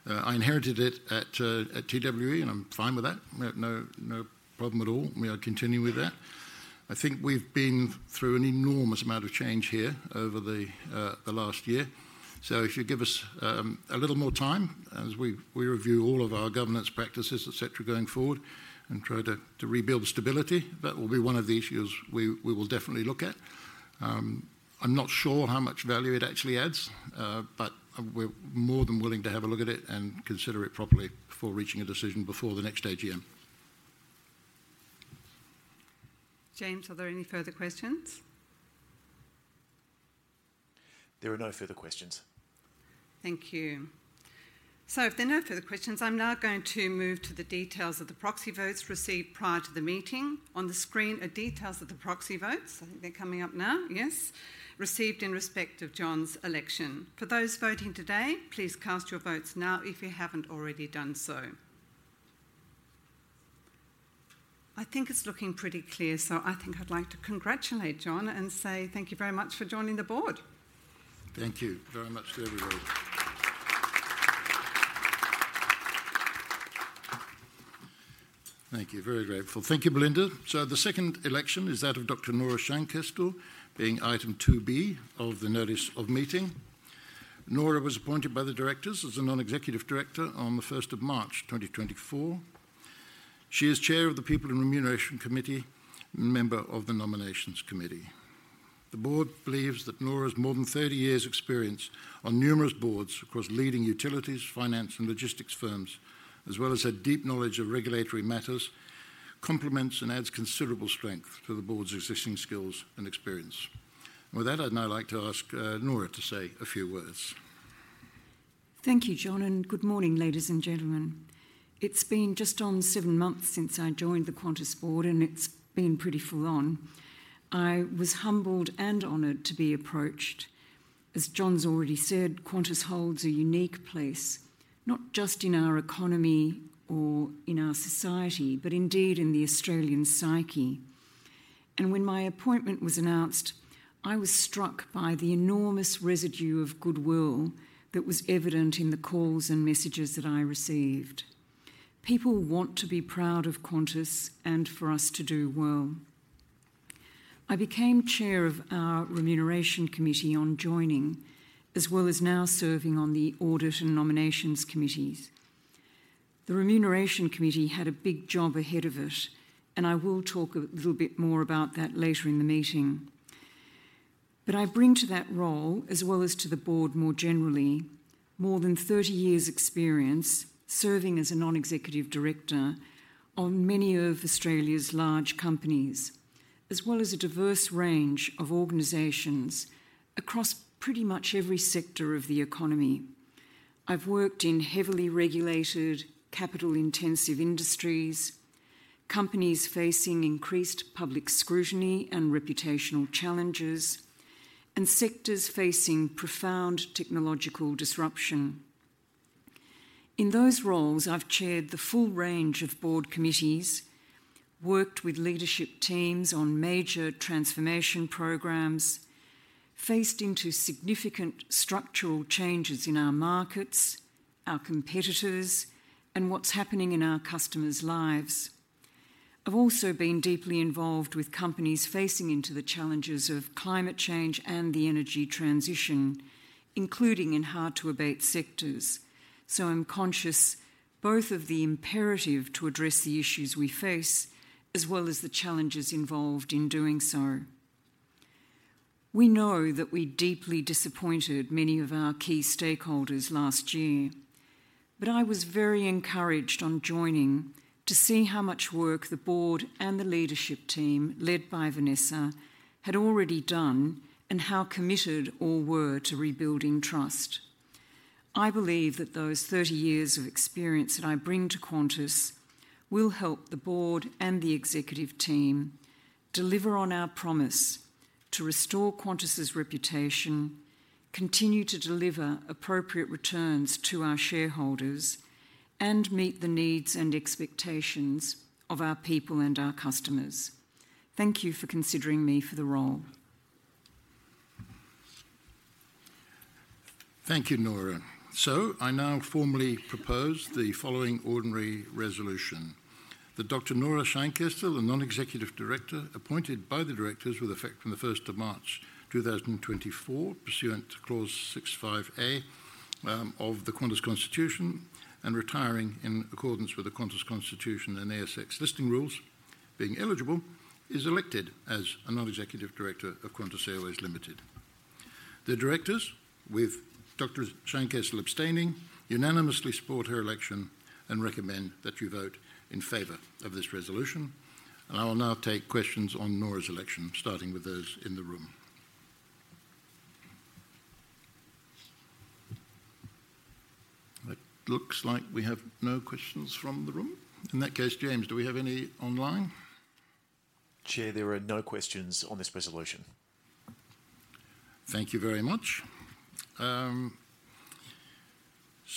I inherited it at TWE, and I'm fine with that. We have no, no problem at all. We are continuing with that. I think we've been through an enormous amount of change here over the last year. So if you give us a little more time as we review all of our governance practices, et cetera, going forward and try to rebuild stability, that will be one of the issues we will definitely look at. I'm not sure how much value it actually adds, but we're more than willing to have a look at it and consider it properly before reaching a decision before the next AGM. James, are there any further questions? There are no further questions. Thank you. So if there are no further questions, I'm now going to move to the details of the proxy votes received prior to the meeting. On the screen are details of the proxy votes, I think they're coming up now, yes, received in respect of John's election. For those voting today, please cast your votes now if you haven't already done so. I think it's looking pretty clear, so I think I'd like to congratulate John and say thank you very much for joining the board. Thank you very much to everybody. Thank you. Very grateful. Thank you, Belinda. So the second election is that of Dr. Nora Scheinkestel, being item two B of the notice of meeting. Nora was appointed by the directors as a non-executive director on the first of March, twenty twenty-four. She is chair of the People and Remuneration Committee and member of the Nominations Committee. The board believes that Nora's more than thirty years' experience on numerous boards across leading utilities, finance, and logistics firms, as well as her deep knowledge of regulatory matters, complements and adds considerable strength to the board's existing skills and experience. With that, I'd now like to ask, Nora to say a few words. Thank you, John, and good morning, ladies and gentlemen. It's been just on seven months since I joined the Qantas board, and it's been pretty full on. I was humbled and honored to be approached. As John's already said, Qantas holds a unique place, not just in our economy or in our society, but indeed in the Australian psyche. And when my appointment was announced, I was struck by the enormous residue of goodwill that was evident in the calls and messages that I received. People want to be proud of Qantas and for us to do well. I became chair of our Remuneration Committee on joining, as well as now serving on the Audit and Nominations Committees. The Remuneration Committee had a big job ahead of it, and I will talk a little bit more about that later in the meeting. I bring to that role, as well as to the board more generally, more than thirty years' experience serving as a non-executive director on many of Australia's large companies, as well as a diverse range of organizations across pretty much every sector of the economy. I've worked in heavily regulated, capital-intensive industries, companies facing increased public scrutiny and reputational challenges, and sectors facing profound technological disruption. In those roles, I've chaired the full range of board committees, worked with leadership teams on major transformation programs, faced into significant structural changes in our markets, our competitors, and what's happening in our customers' lives. I've also been deeply involved with companies facing into the challenges of climate change and the energy transition, including in hard-to-abate sectors. I'm conscious both of the imperative to address the issues we face, as well as the challenges involved in doing so. We know that we deeply disappointed many of our key stakeholders last year, but I was very encouraged on joining to see how much work the board and the leadership team, led by Vanessa, had already done, and how committed all were to rebuilding trust. I believe that those 30 years of experience that I bring to Qantas will help the board and the executive team deliver on our promise to restore Qantas's reputation, continue to deliver appropriate returns to our shareholders, and meet the needs and expectations of our people and our customers. Thank you for considering me for the role. Thank you, Nora. I now formally propose the following ordinary resolution: That Dr. Nora Scheinkestel, a non-executive director appointed by the directors with effect from the first of March, 2024, pursuant to Clause 65A of the Qantas Constitution, and retiring in accordance with the Qantas Constitution and ASX Listing Rules, being eligible, is elected as a non-executive director of Qantas Airways Limited. The directors, with Dr. Scheinkestel abstaining, unanimously support her election and recommend that you vote in favor of this resolution. And I will now take questions on Nora's election, starting with those in the room. It looks like we have no questions from the room. In that case, James, do we have any online? Chair, there are no questions on this resolution. Thank you very much.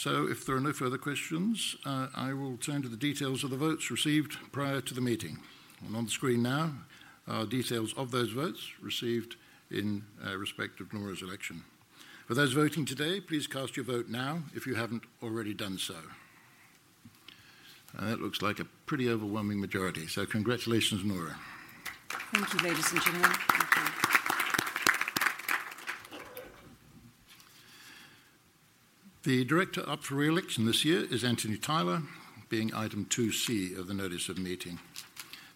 If there are no further questions, I will turn to the details of the votes received prior to the meeting. On the screen now are details of those votes received in respect of Nora's election. For those voting today, please cast your vote now if you haven't already done so. That looks like a pretty overwhelming majority, so congratulations, Nora. Thank you, ladies and gentlemen. Thank you. The director up for re-election this year is Anthony Tyler, being item two C of the notice of meeting.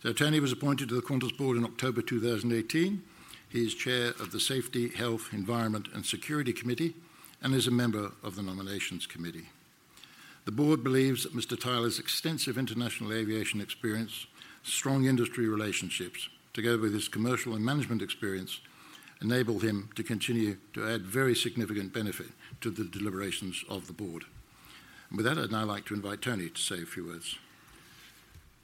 So Tony was appointed to the Qantas board in October 2018. He is chair of the Safety, Health, Environment, and Security Committee and is a member of the Nominations Committee. The board believes that Mr. Tyler's extensive international aviation experience, strong industry relationships, together with his commercial and management experience, enable him to continue to add very significant benefit to the deliberations of the board. With that, I'd now like to invite Tony to say a few words.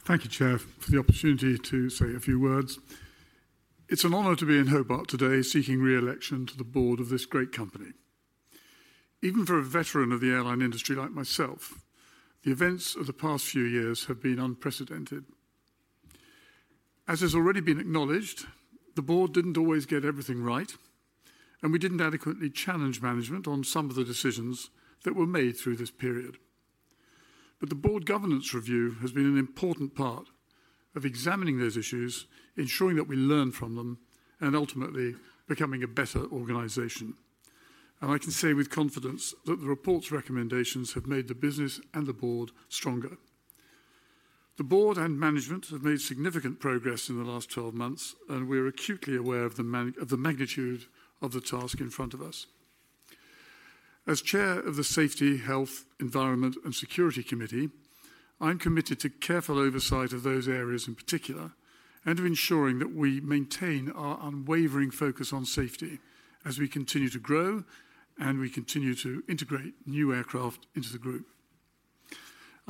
Thank you, Chair, for the opportunity to say a few words. It's an honor to be in Hobart today, seeking re-election to the board of this great company. Even for a veteran of the airline industry like myself, the events of the past few years have been unprecedented. As has already been acknowledged, the board didn't always get everything right, and we didn't adequately challenge management on some of the decisions that were made through this period. The board governance review has been an important part of examining those issues, ensuring that we learn from them, and ultimately becoming a better organization. I can say with confidence that the report's recommendations have made the business and the board stronger. The board and management have made significant progress in the last twelve months, and we're acutely aware of the magnitude of the task in front of us. As Chair of the Safety, Health, Environment, and Security Committee, I'm committed to careful oversight of those areas in particular, and to ensuring that we maintain our unwavering focus on safety as we continue to grow and we continue to integrate new aircraft into the group.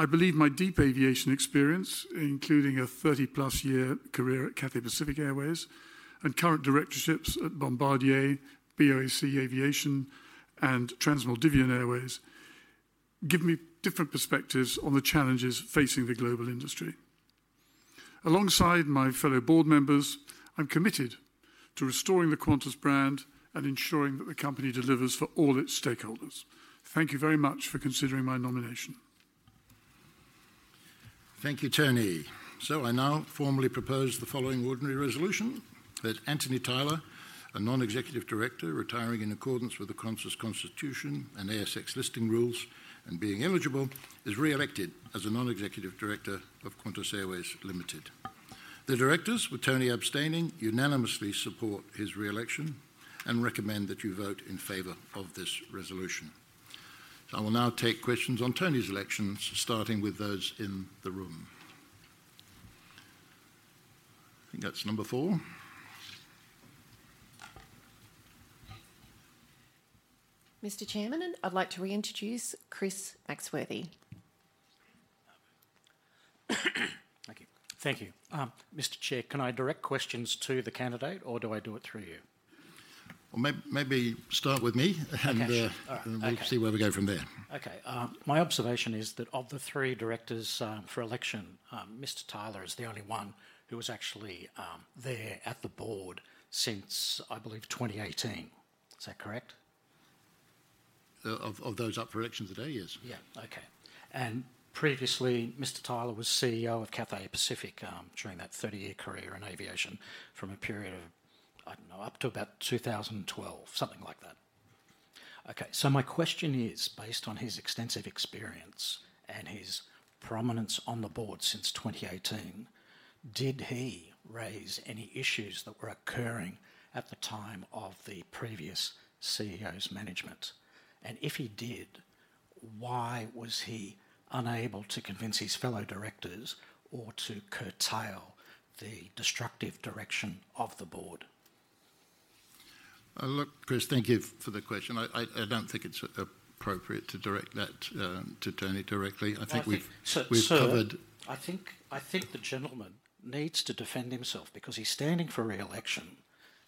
I believe my deep aviation experience, including a thirty-plus year career at Cathay Pacific Airways and current directorships at Bombardier, BOC Aviation, and Trans Maldivian Airways, give me different perspectives on the challenges facing the global industry. Alongside my fellow board members, I'm committed to restoring the Qantas brand and ensuring that the company delivers for all its stakeholders. Thank you very much for considering my nomination. Thank you, Tony. So I now formally propose the following ordinary resolution: That Anthony Tyler, a non-executive director, retiring in accordance with the Qantas Constitution and ASX Listing Rules, and being eligible, is re-elected as a non-executive director of Qantas Airways Limited. The directors, with Tony abstaining, unanimously support his re-election and recommend that you vote in favor of this resolution. I will now take questions on Tony's election, starting with those in the room. I think that's number four. Mr. Chairman, I'd like to reintroduce Chris Maxworthy. Thank you. Thank you. Mr. Chair, can I direct questions to the candidate, or do I do it through you? Maybe start with me, and we'll see where we go from there. Okay, my observation is that of the three directors for election, Mr. Tyler is the only one who was actually there at the board since, I believe, 2018. Is that correct? Of those up for election today, yes. Yeah, okay. Previously, Mr. Tyler was CEO of Cathay Pacific during that thirty-year career in aviation, from a period of, I don't know, up to about 2012, something like that. Okay, so my question is, based on his extensive experience and his prominence on the board since 2018, did he raise any issues that were occurring at the time of the previous CEO's management? And if he did, why was he unable to convince his fellow directors or to curtail the destructive direction of the board? Look, Chris, thank you for the question. I don't think it's appropriate to direct that to Tony directly. I think we've covered- Sir, I think the gentleman needs to defend himself because he's standing for re-election,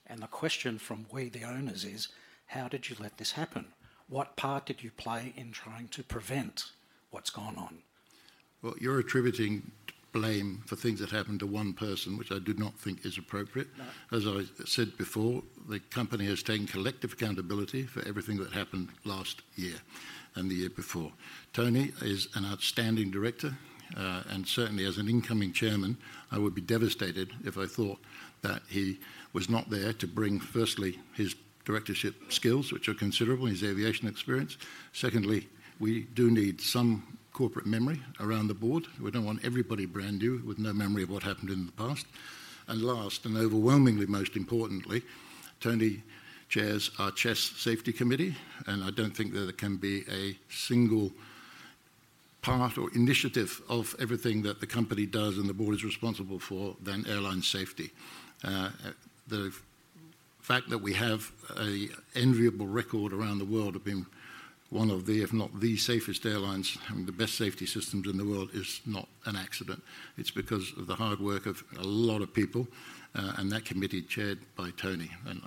and the question from we, the owners, is: How did you let this happen? What part did you play in trying to prevent what's gone on? You're attributing blame for things that happened to one person, which I do not think is appropriate. No. As I said before, the company has taken collective accountability for everything that happened last year and the year before. Tony is an outstanding director, and certainly as an incoming chairman, I would be devastated if I thought that he was not there to bring, firstly, his directorship skills, which are considerable, and his aviation experience. Secondly, we do need some corporate memory around the board. We don't want everybody brand new with no memory of what happened in the past. And last, and overwhelmingly most importantly, Tony chairs our CHESS Safety Committee, and I don't think that there can be a single part or initiative of everything that the company does and the board is responsible for than airline safety. The fact that we have an enviable record around the world of being one of the, if not the safest airlines, having the best safety systems in the world, is not an accident. It's because of the hard work of a lot of people, and that committee chaired by Tony again.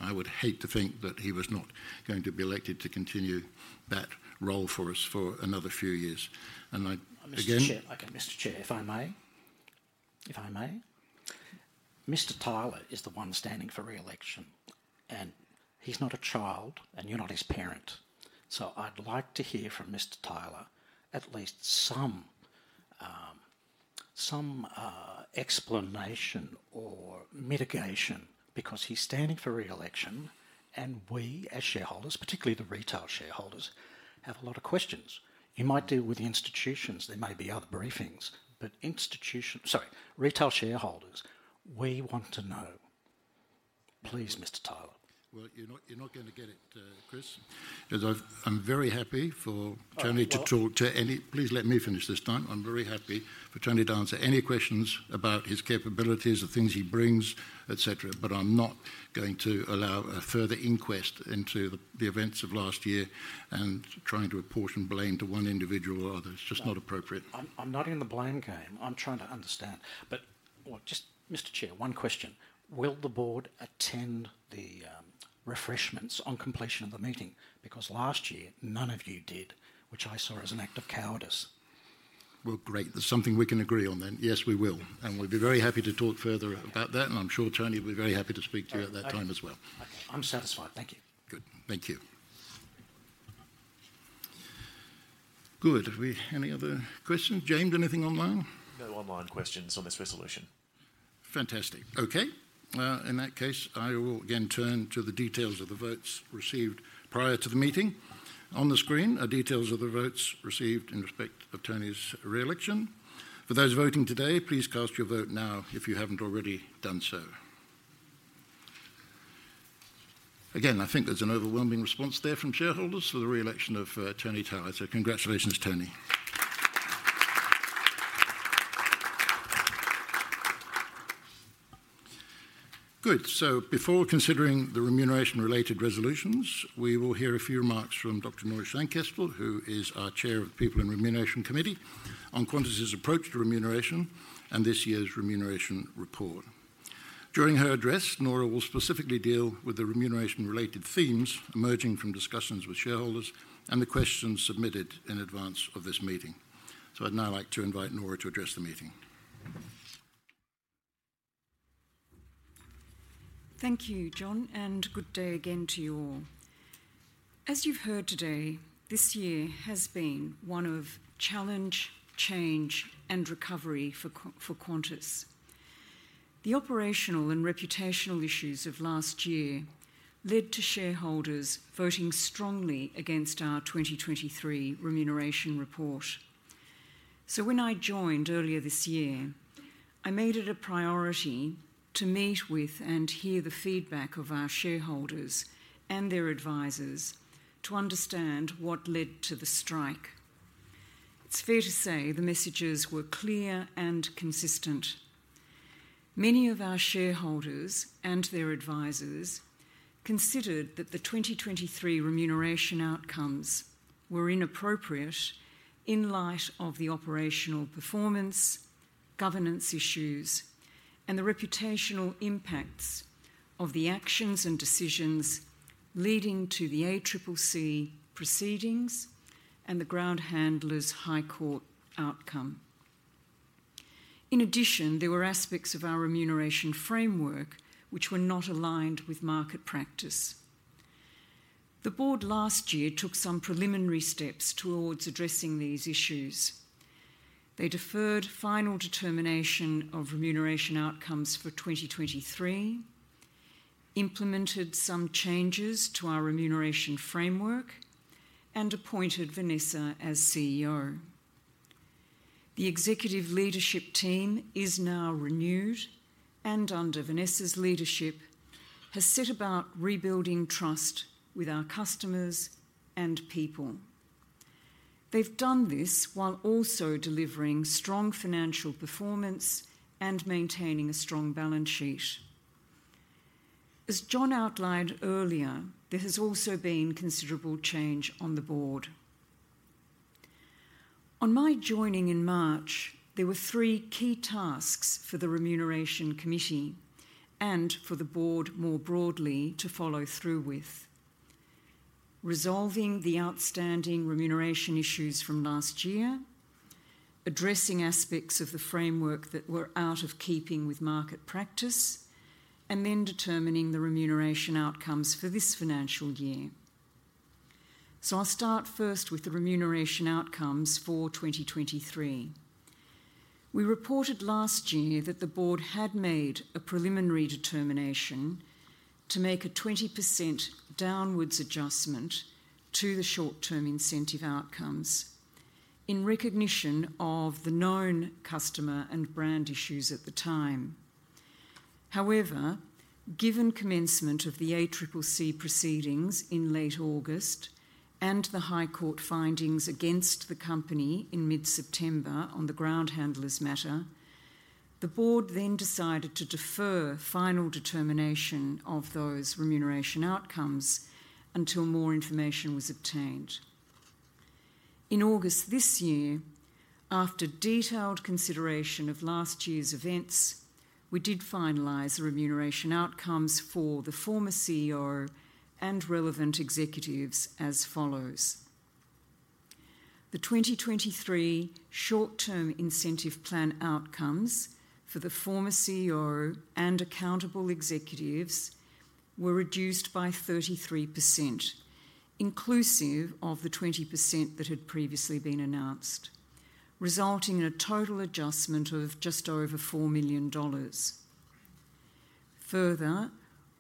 Mr. Chair, okay, Mr. Chair, if I may? If I may. Mr. Tyler is the one standing for re-election, and he's not a child, and you're not his parent. I'd like to hear from Mr. Tyler at least some, some explanation or mitigation, because he's standing for re-election, and we as shareholders, particularly the retail shareholders, have a lot of questions. He might deal with the institutions, there may be other briefings, but institutions. Sorry, retail shareholders, we want to know. Please, Mr. Tyler. You're not, you're not going to get it, Chris, because I've, I'm very happy for Tony to talk to any... Please let me finish this time. I'm very happy for Tony to answer any questions about his capabilities, the things he brings, et cetera, but I'm not going to allow a further inquest into the events of last year and trying to apportion blame to one individual or other. It's just not appropriate. I'm not in the blame game. I'm trying to understand. Mr. Chair, one question: Will the board attend the refreshments on completion of the meeting? Because last year, none of you did, which I saw as an act of cowardice. Great. There's something we can agree on then. Yes, we will, and we'll be very happy to talk further about that, and I'm sure Tony will be very happy to speak to you at that time as well. Okay. I'm satisfied. Thank you. Good. Thank you. Good. Have we any other questions? James, anything online? No online questions on this resolution. Fantastic. Okay, in that case, I will again turn to the details of the votes received prior to the meeting. On the screen are details of the votes received in respect of Tony's re-election. For those voting today, please cast your vote now if you haven't already done so. Again, I think there's an overwhelming response there from shareholders for the re-election of, Tony Tyler, so congratulations, Tony. Good. So before considering the remuneration-related resolutions, we will hear a few remarks from Dr. Nora Scheinkestel, who is our chair of the People and Remuneration Committee, on Qantas's approach to remuneration and this year's remuneration report. During her address, Nora will specifically deal with the remuneration-related themes emerging from discussions with shareholders and the questions submitted in advance of this meeting. So I'd now like to invite Nora to address the meeting. Thank you, John, and good day again to you all. As you've heard today, this year has been one of challenge, change, and recovery for Qantas. The operational and reputational issues of last year led to shareholders voting strongly against our 2023 remuneration report. So when I joined earlier this year, I made it a priority to meet with and hear the feedback of our shareholders and their advisors to understand what led to the strike. It's fair to say the messages were clear and consistent. Many of our shareholders and their advisors considered that the 2023 remuneration outcomes were inappropriate in light of the operational performance, governance issues, and the reputational impacts of the actions and decisions leading to the ACCC proceedings and the ground handler's High Court outcome. In addition, there were aspects of our remuneration framework which were not aligned with market practice. The board last year took some preliminary steps towards addressing these issues. They deferred final determination of remuneration outcomes for 2023, implemented some changes to our remuneration framework, and appointed Vanessa as CEO. The executive leadership team is now renewed, and under Vanessa's leadership, has set about rebuilding trust with our customers and people. They've done this while also delivering strong financial performance and maintaining a strong balance sheet. As John outlined earlier, there has also been considerable change on the board. On my joining in March, there were three key tasks for the Remuneration Committee and for the board more broadly to follow through with: resolving the outstanding remuneration issues from last year, addressing aspects of the framework that were out of keeping with market practice, and then determining the remuneration outcomes for this financial year. So I'll start first with the remuneration outcomes for 2023. We reported last year that the board had made a preliminary determination to make a 20% downward adjustment to the short-term incentive outcomes in recognition of the known customer and brand issues at the time. However, given commencement of the ACCC proceedings in late August and the High Court findings against the company in mid-September on the ground handlers matter, the board then decided to defer final determination of those remuneration outcomes until more information was obtained. In August this year, after detailed consideration of last year's events, we did finalize the remuneration outcomes for the former CEO and relevant executives as follows: The 2023 short-term incentive plan outcomes for the former CEO and accountable executives were reduced by 33%, inclusive of the 20% that had previously been announced, resulting in a total adjustment of just over 4 million dollars. Further,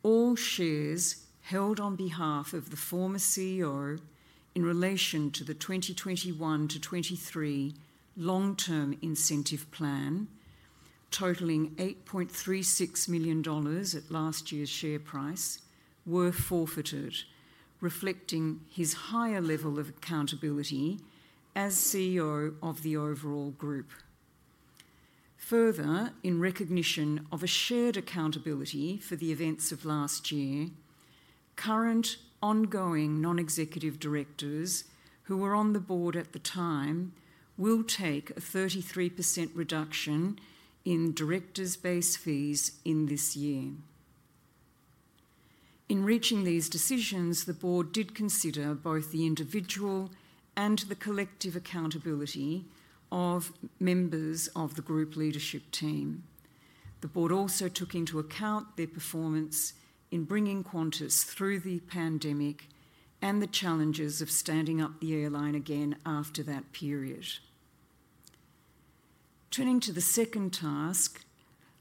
all shares held on behalf of the former CEO in relation to the 2021 to 2023 long-term incentive plan, totaling 8.36 million dollars at last year's share price, were forfeited, reflecting his higher level of accountability as CEO of the overall group. Further, in recognition of a shared accountability for the events of last year, current ongoing non-executive directors who were on the board at the time will take a 33% reduction in directors' base fees in this year. In reaching these decisions, the board did consider both the individual and the collective accountability of members of the group leadership team. The board also took into account their performance in bringing Qantas through the pandemic and the challenges of standing up the airline again after that period. Turning to the second task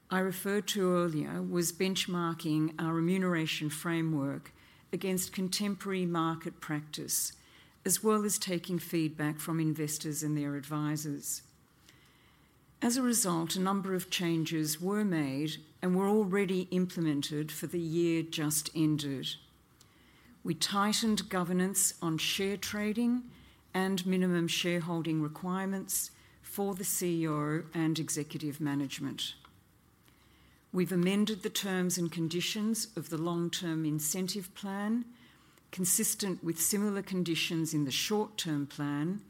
I referred to earlier, was benchmarking our remuneration framework against contemporary market practice, as well as taking feedback from investors and their advisors. As a result, a number of changes were made and were already implemented for the year just ended. We tightened governance on share trading and minimum shareholding requirements for the CEO and executive management. We've amended the terms and conditions of the long-term incentive plan, consistent with similar conditions in the short-term plan,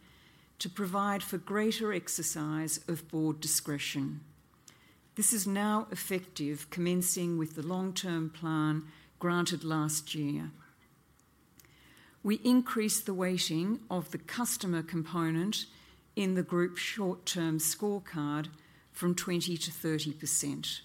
to provide for greater exercise of board discretion. This is now effective, commencing with the long-term plan granted last year. We increased the weighting of the customer component in the group's short-term scorecard from 20% to 30%,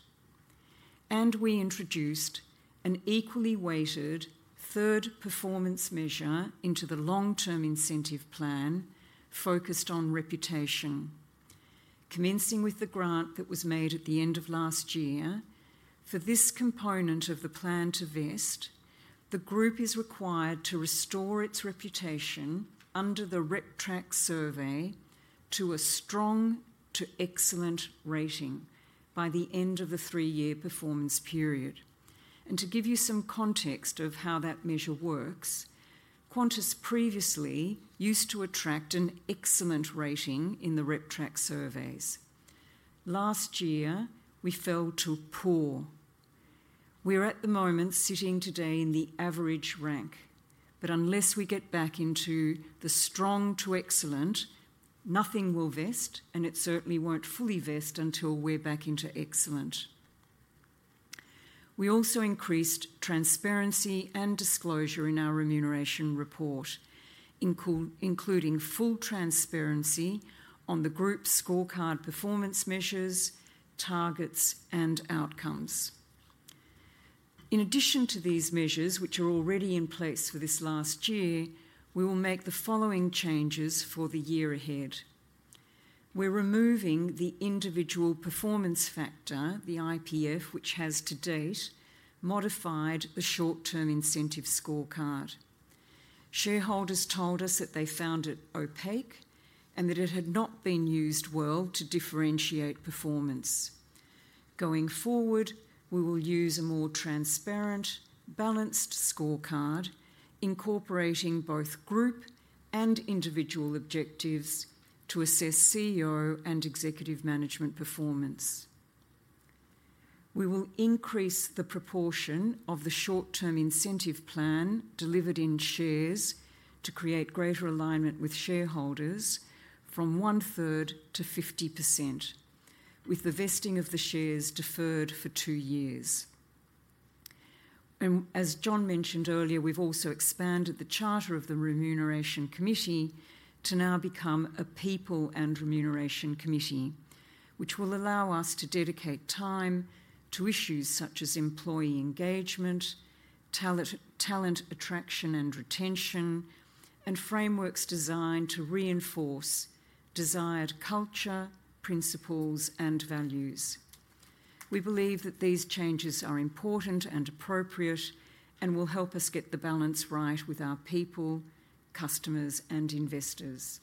and we introduced an equally weighted third performance measure into the long-term incentive plan focused on reputation. Commencing with the grant that was made at the end of last year, for this component of the plan to vest, the group is required to restore its reputation under the RepTrak survey to a strong to excellent rating by the end of the three-year performance period to give you some context of how that measure works, Qantas previously used to attract an excellent rating in the RepTrak surveys. Last year, we fell to poor. We're at the moment sitting today in the average rank, but unless we get back into the strong to excellent, nothing will vest, and it certainly won't fully vest until we're back into excellent. We also increased transparency and disclosure in our remuneration report, including full transparency on the group's scorecard performance measures, targets, and outcomes. In addition to these measures, which are already in place for this last year, we will make the following changes for the year ahead. We're removing the individual performance factor, the IPF, which has to date modified the short-term incentive scorecard. Shareholders told us that they found it opaque and that it had not been used well to differentiate performance. Going forward, we will use a more transparent, balanced scorecard, incorporating both group and individual objectives to assess CEO and executive management performance. We will increase the proportion of the short-term incentive plan delivered in shares to create greater alignment with shareholders from one-third to 50%, with the vesting of the shares deferred for two years. As John mentioned earlier, we've also expanded the charter of the Remuneration Committee to now become a People and Remuneration Committee, which will allow us to dedicate time to issues such as employee engagement, talent attraction and retention, and frameworks designed to reinforce desired culture, principles, and values. We believe that these changes are important and appropriate and will help us get the balance right with our people, customers, and investors.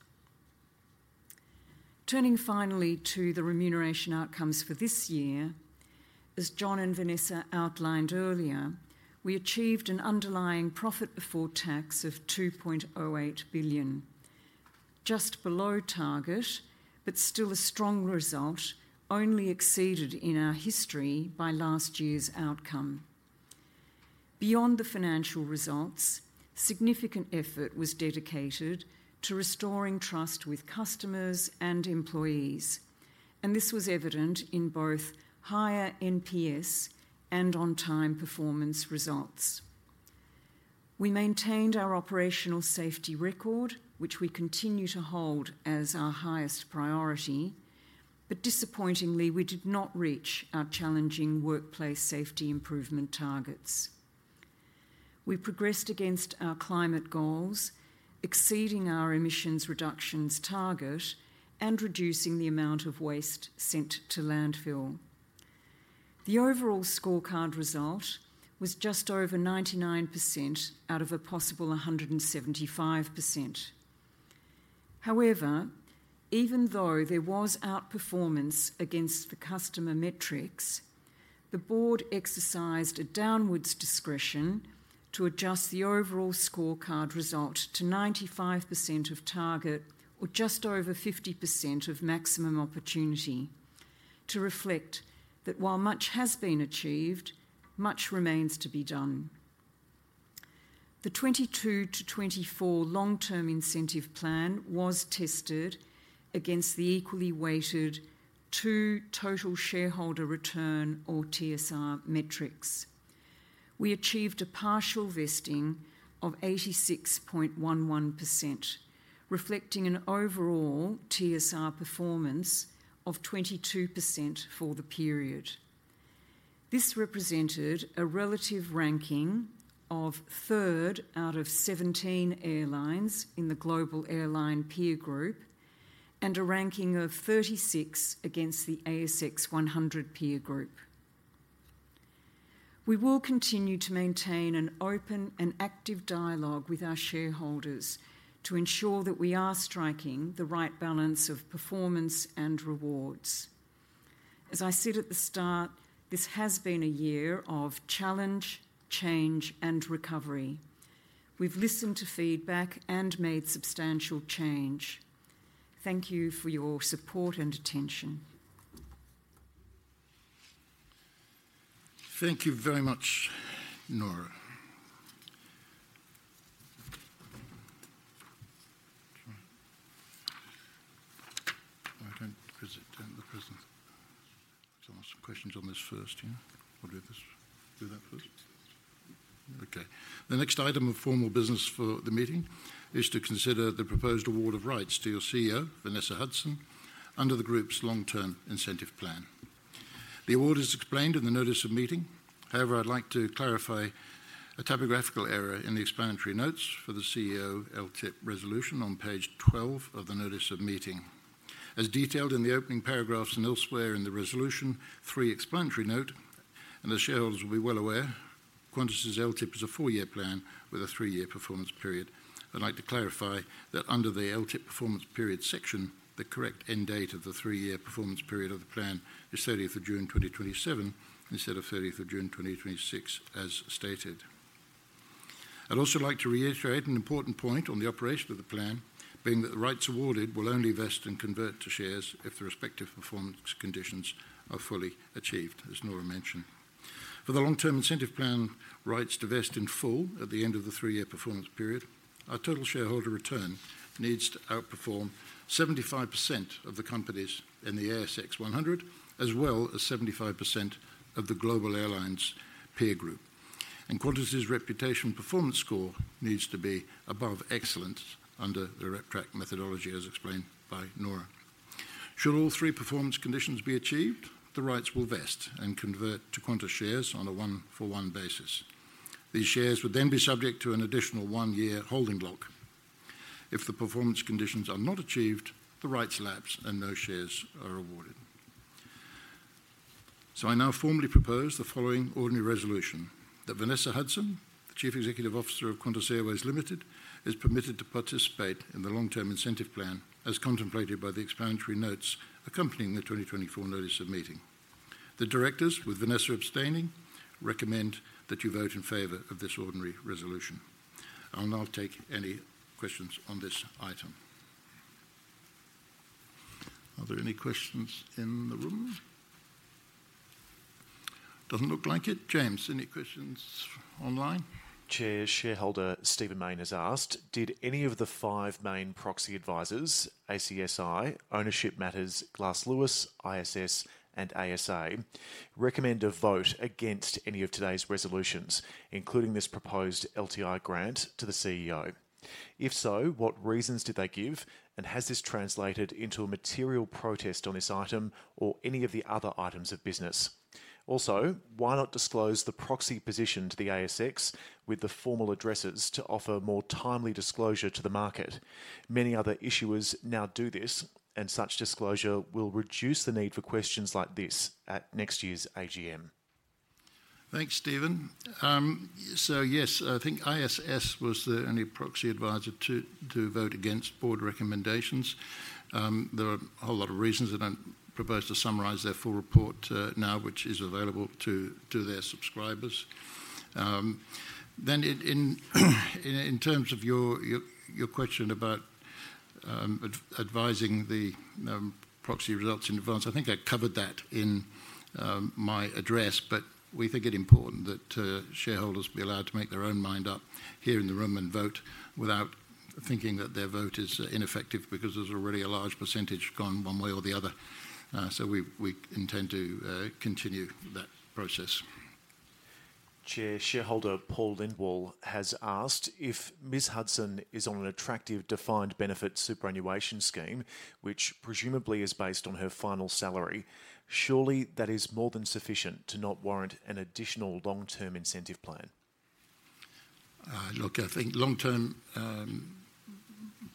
Turning finally to the remuneration outcomes for this year, as John and Vanessa outlined earlier, we achieved an underlying profit before tax of 2.08 billion. Just below target, but still a strong result, only exceeded in our history by last year's outcome. Beyond the financial results, significant effort was dedicated to restoring trust with customers and employees, and this was evident in both higher NPS and on-time performance results. We maintained our operational safety record, which we continue to hold as our highest priority, but disappointingly, we did not reach our challenging workplace safety improvement targets. We progressed against our climate goals, exceeding our emissions reductions target and reducing the amount of waste sent to landfill. The overall scorecard result was just over 99% out of a possible 175%. However, even though there was outperformance against the customer metrics, the board exercised a downwards discretion to adjust the overall scorecard result to 95% of target or just over 50% of maximum opportunity, to reflect that while much has been achieved, much remains to be done. The 2022 to 2024 long-term incentive plan was tested against the equally weighted two total shareholder return, or TSR, metrics. We achieved a partial vesting of 86.11%, reflecting an overall TSR performance of 22% for the period. This represented a relative ranking of third out of 17 airlines in the global airline peer group and a ranking of 36 against the ASX 100 peer group. We will continue to maintain an open and active dialogue with our shareholders to ensure that we are striking the right balance of performance and rewards. As I said at the start, this has been a year of challenge, change, and recovery. We've listened to feedback and made substantial change. Thank you for your support and attention. Thank you very much, Nora. Let's ask some questions on this first, yeah? Or do this. Do that first? Okay. The next item of formal business for the meeting is to consider the proposed award of rights to your CEO, Vanessa Hudson, under the group's long-term incentive plan. The award is explained in the notice of meeting. However, I'd like to clarify a typographical error in the explanatory notes for the CEO LTIP resolution on page 12 of the notice of meeting. As detailed in the opening paragraphs and elsewhere in the resolution, the explanatory notes, and the shareholders will be well aware. Qantas' LTIP is a four-year plan with a three-year performance period. I'd like to clarify that under the LTIP performance period section, the correct end date of the three-year performance period of the plan is thirtieth of June, 2027, instead of thirtieth of June, 2026, as stated. I'd also like to reiterate an important point on the operation of the plan, being that the rights awarded will only vest and convert to shares if the respective performance conditions are fully achieved, as Nora mentioned. For the long-term incentive plan rights to vest in full at the end of the three-year performance period, our total shareholder return needs to outperform 75% of the companies in the ASX 100, as well as 75% of the global airlines peer group, and Qantas' reputation performance score needs to be above excellent under the RepTrak methodology, as explained by Nora. Should all three performance conditions be achieved, the rights will vest and convert to Qantas shares on a one-for-one basis. These shares would then be subject to an additional one-year holding block. If the performance conditions are not achieved, the rights lapse and no shares are awarded. So I now formally propose the following ordinary resolution: That Vanessa Hudson, the Chief Executive Officer of Qantas Airways Limited, is permitted to participate in the long-term incentive plan as contemplated by the explanatory notes accompanying the 2024 notice of meeting. The directors, with Vanessa abstaining, recommend that you vote in favor of this ordinary resolution. I'll now take any questions on this item. Are there any questions in the room? Doesn't look like it. James, any questions online? Chair, shareholder Stephen Mayne has asked: Did any of the five main proxy advisors, ACSI, Ownership Matters, Glass Lewis, ISS, and ASA, recommend a vote against any of today's resolutions, including this proposed LTI grant to the CEO? If so, what reasons did they give, and has this translated into a material protest on this item or any of the other items of business? Also, why not disclose the proxy position to the ASX with the formal advices to offer more timely disclosure to the market? Many other issuers now do this, and such disclosure will reduce the need for questions like this at next year's AGM. Thanks, Stephen. Yes, I think ISS was the only proxy advisor to vote against board recommendations. There are a whole lot of reasons. I don't propose to summarize their full report now, which is available to their subscribers. Then in terms of your question about advising the proxy results in advance, I think I covered that in my address. We think it important that shareholders be allowed to make their own mind up here in the room and vote without thinking that their vote is ineffective because there's already a large percentage gone one way or the other. We intend to continue that process. Chair, shareholder Paul Lindwall has asked if Ms. Hudson is on an attractive defined benefit superannuation scheme, which presumably is based on her final salary. Surely, that is more than sufficient to not warrant an additional long-term incentive plan. Look, I think long-term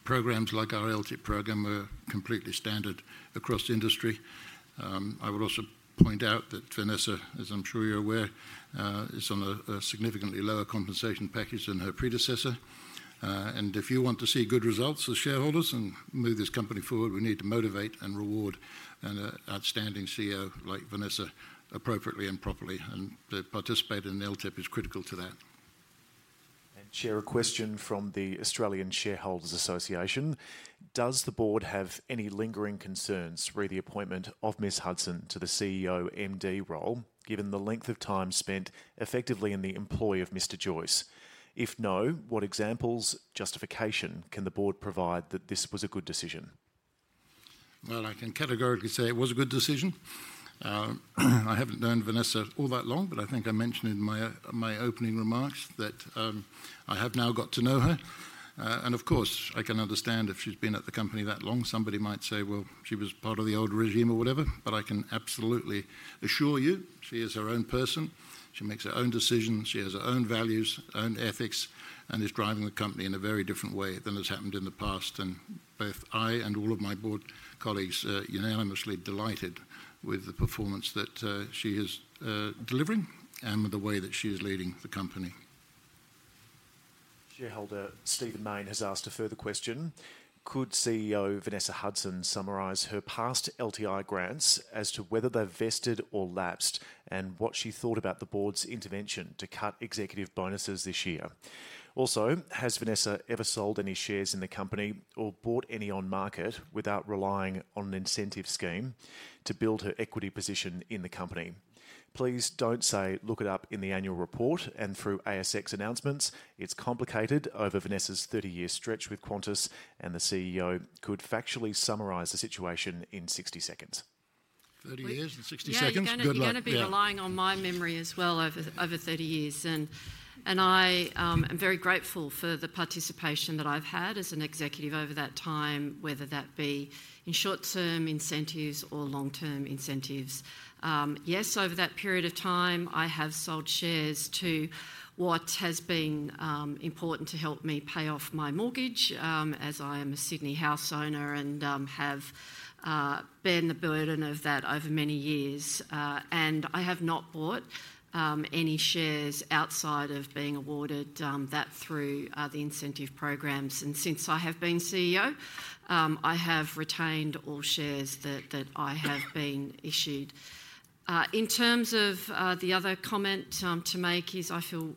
programs like our LTIP program are completely standard across the industry. I would also point out that Vanessa, as I'm sure you're aware, is on a significantly lower compensation package than her predecessor, and if you want to see good results as shareholders and move this company forward, we need to motivate and reward an outstanding CEO like Vanessa appropriately and properly, and to participate in the LTIP is critical to that. Chair, a question from the Australian Shareholders' Association: Does the board have any lingering concerns re the appointment of Ms. Hudson to the CEO/MD role, given the length of time spent effectively in the employ of Mr. Joyce? If no, what examples, justification can the board provide that this was a good decision? I can categorically say it was a good decision. I haven't known Vanessa all that long, but I think I mentioned in my opening remarks that I have now got to know her. I can understand if she's been at the company that long, somebody might say, "Well, she was part of the old regime," or whatever. I can absolutely assure you, she is her own person. She makes her own decisions, she has her own values, own ethics, and is driving the company in a very different way than has happened in the past. Both I and all of my board colleagues are unanimously delighted with the performance that she is delivering and the way that she is leading the company. Shareholder Stephen Mayne has asked a further question: Could CEO Vanessa Hudson summarize her past LTI grants as to whether they've vested or lapsed, and what she thought about the board's intervention to cut executive bonuses this year? Also, has Vanessa ever sold any shares in the company or bought any on market without relying on an incentive scheme to build her equity position in the company? Please don't say, "Look it up in the annual report and through ASX announcements." It's complicated over Vanessa's thirty-year stretch with Qantas, and the CEO could factually summarize the situation in sixty seconds. Thirty years in sixty seconds? Good luck. Yeah, you're gonna- You're gonna be relying on my memory as well over thirty years. I am very grateful for the participation that I've had as an executive over that time, whether that be in short-term incentives or long-term incentives. Yes, over that period of time, I have sold shares to what has been important to help me pay off my mortgage, as I am a Sydney house owner and have borne the burden of that over many years. I have not bought any shares outside of being awarded that through the incentive programs. Since I have been CEO, I have retained all shares that I have been issued. In terms of the other comment to make, I feel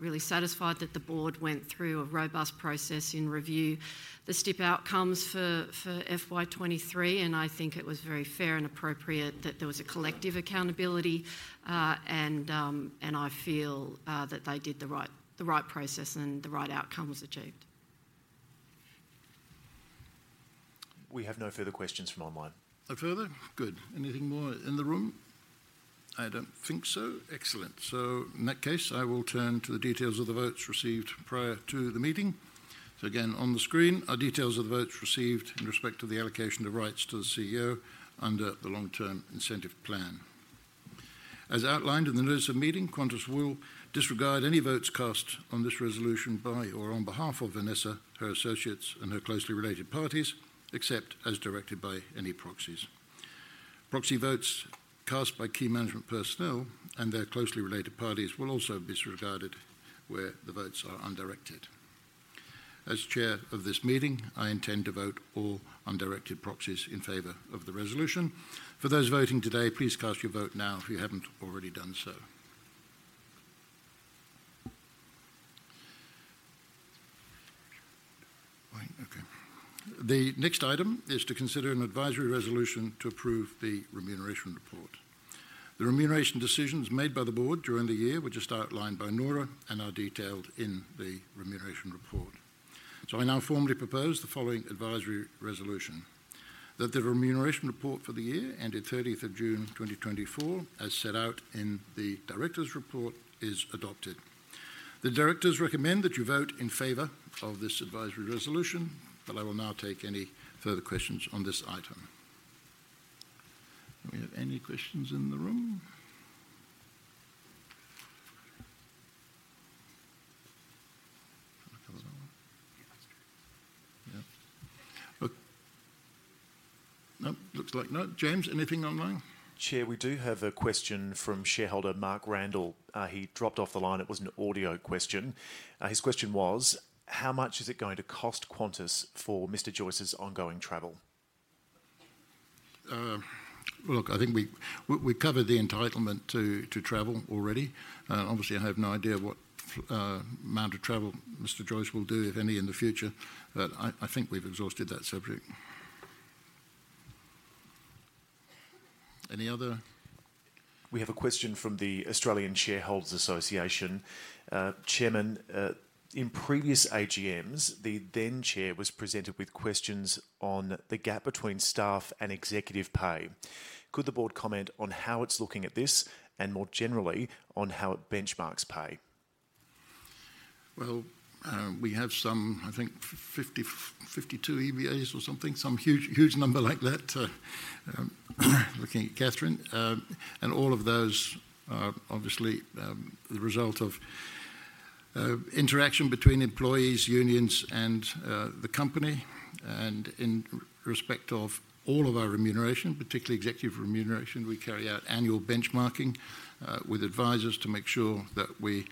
really satisfied that the board went through a robust process in reviewing the STIP outcomes for FY 2023, and I think it was very fair and appropriate that there was a collective accountability. I feel that they did the right process and the right outcome was achieved. We have no further questions from online. No further? Good. Anything more in the room? I don't think so. Excellent. So in that case, I will turn to the details of the votes received prior to the meeting. Again, on the screen are details of the votes received in respect to the allocation of rights to the CEO under the long-term incentive plan. As outlined in the notice of meeting, Qantas will disregard any votes cast on this resolution by or on behalf of Vanessa, her associates, and her closely related parties, except as directed by any proxies. Proxy votes cast by key management personnel and their closely related parties will also be disregarded where the votes are undirected. As chair of this meeting, I intend to vote all undirected proxies in favor of the resolution. For those voting today, please cast your vote now if you haven't already done so. Wait, okay. The next item is to consider an advisory resolution to approve the remuneration report. The remuneration decisions made by the board during the year, which is outlined by Nora and are detailed in the remuneration report. I now formally propose the following advisory resolution: That the remuneration report for the year ended thirtieth of June, twenty twenty-four, as set out in the directors' report, is adopted. The directors recommend that you vote in favor of this advisory resolution, but I will now take any further questions on this item. Do we have any questions in the room? Yeah. Nope, looks like no. James, anything online? Chair, we do have a question from shareholder Mark Randall. He dropped off the line. It was an audio question. His question was: How much is it going to cost Qantas for Mr. Joyce's ongoing travel? Look, I think we covered the entitlement to travel already. Obviously, I have no idea what amount of travel Mr. Joyce will do, if any, in the future, but I think we've exhausted that subject. Any other? We have a question from the Australian Shareholders' Association. Chairman, in previous AGMs, the then chair was presented with questions on the gap between staff and executive pay. Could the board comment on how it's looking at this, and more generally, on how it benchmarks pay? We have some, I think, 50, 52 EBAs or something, some huge, huge number like that, looking at Catherine. All of those are obviously the result of interaction between employees, unions, and the company. In respect of all of our remuneration, particularly executive remuneration, we carry out annual benchmarking with advisors to make sure that we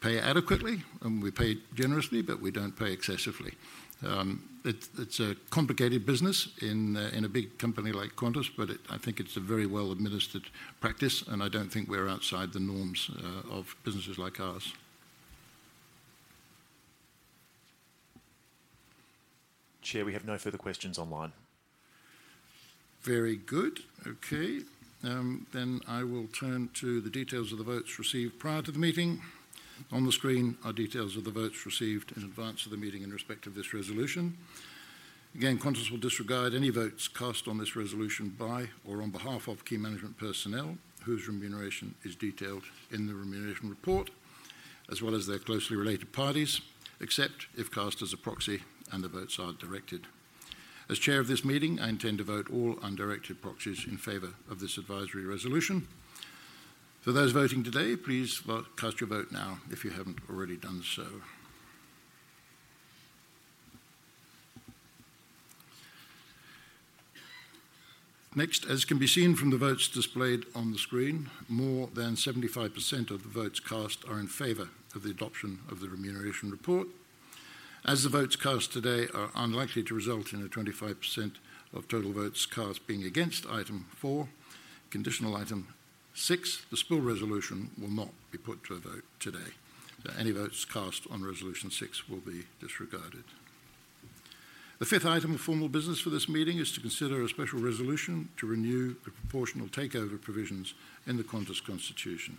pay adequately and we pay generously, but we don't pay excessively. It's a complicated business in a big company like Qantas, but I think it's a very well-administered practice, and I don't think we're outside the norms of businesses like ours. Chair, we have no further questions online. Very good. Okay, then I will turn to the details of the votes received prior to the meeting. On the screen are details of the votes received in advance of the meeting in respect of this resolution. Again, Qantas will disregard any votes cast on this resolution by or on behalf of key management personnel whose remuneration is detailed in the remuneration report, as well as their closely related parties, except if cast as a proxy and the votes are directed. As Chair of this meeting, I intend to vote all undirected proxies in favor of this advisory resolution. For those voting today, please cast your vote now if you haven't already done so. Next, as can be seen from the votes displayed on the screen, more than 75% of the votes cast are in favor of the adoption of the remuneration report. As the votes cast today are unlikely to result in 25% of total votes cast being against Item four, conditional Item six, the spill resolution will not be put to a vote today. Any votes cast on Resolution six will be disregarded. The fifth item of formal business for this meeting is to consider a special resolution to renew the proportional takeover provisions in the Qantas Constitution.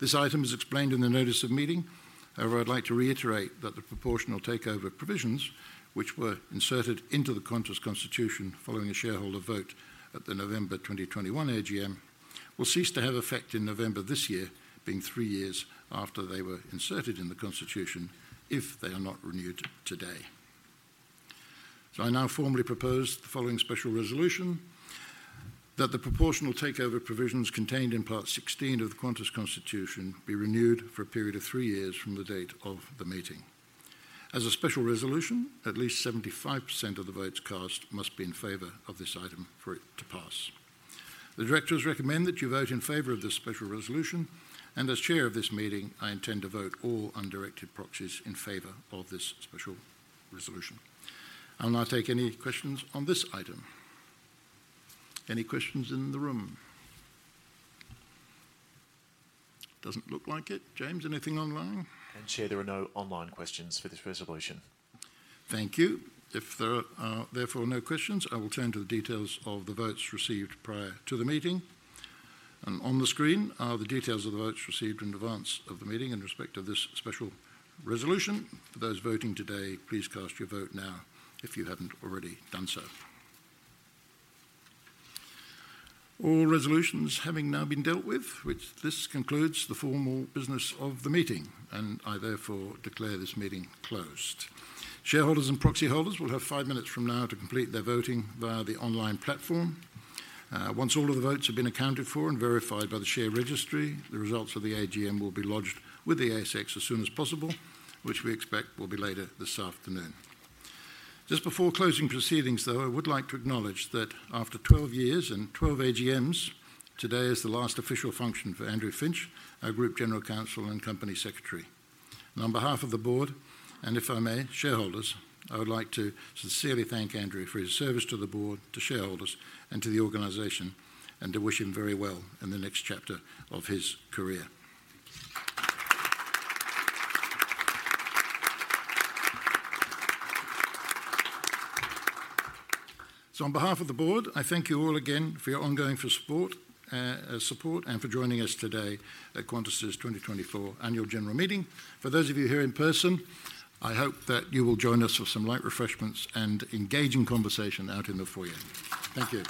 This item is explained in the notice of meeting, however, I'd like to reiterate that the proportional takeover provisions, which were inserted into the Qantas Constitution following a shareholder vote at the November 2021 AGM, will cease to have effect in November this year, being three years after they were inserted in the Constitution, if they are not renewed today. I now formally propose the following special resolution: That the proportional takeover provisions contained in Part 16 of the Qantas Constitution be renewed for a period of three years from the date of the meeting. As a special resolution, at least 75% of the votes cast must be in favor of this item for it to pass. The directors recommend that you vote in favor of this special resolution, and as chair of this meeting, I intend to vote all undirected proxies in favor of this special resolution. I'll now take any questions on this item. Any questions in the room? Doesn't look like it. James, anything online? Chair, there are no online questions for this resolution. Thank you. If there are therefore no questions, I will turn to the details of the votes received prior to the meeting, and on the screen are the details of the votes received in advance of the meeting in respect of this special resolution. For those voting today, please cast your vote now if you haven't already done so. All resolutions having now been dealt with, this concludes the formal business of the meeting, and I therefore declare this meeting closed. Shareholders and proxy holders will have five minutes from now to complete their voting via the online platform. Once all of the votes have been accounted for and verified by the share registry, the results of the AGM will be lodged with the ASX as soon as possible, which we expect will be later this afternoon. Just before closing proceedings, though, I would like to acknowledge that after 12 years and 12 AGMs, today is the last official function for Andrew Finch, our Group General Counsel and Company Secretary, and on behalf of the board, and if I may, shareholders, I would like to sincerely thank Andrew for his service to the board, to shareholders, and to the organization, and to wish him very well in the next chapter of his career, so on behalf of the board, I thank you all again for your ongoing support, and for joining us today at Qantas's 2024 Annual General Meeting. For those of you here in person, I hope that you will join us for some light refreshments and engaging conversation out in the foyer. Thank you.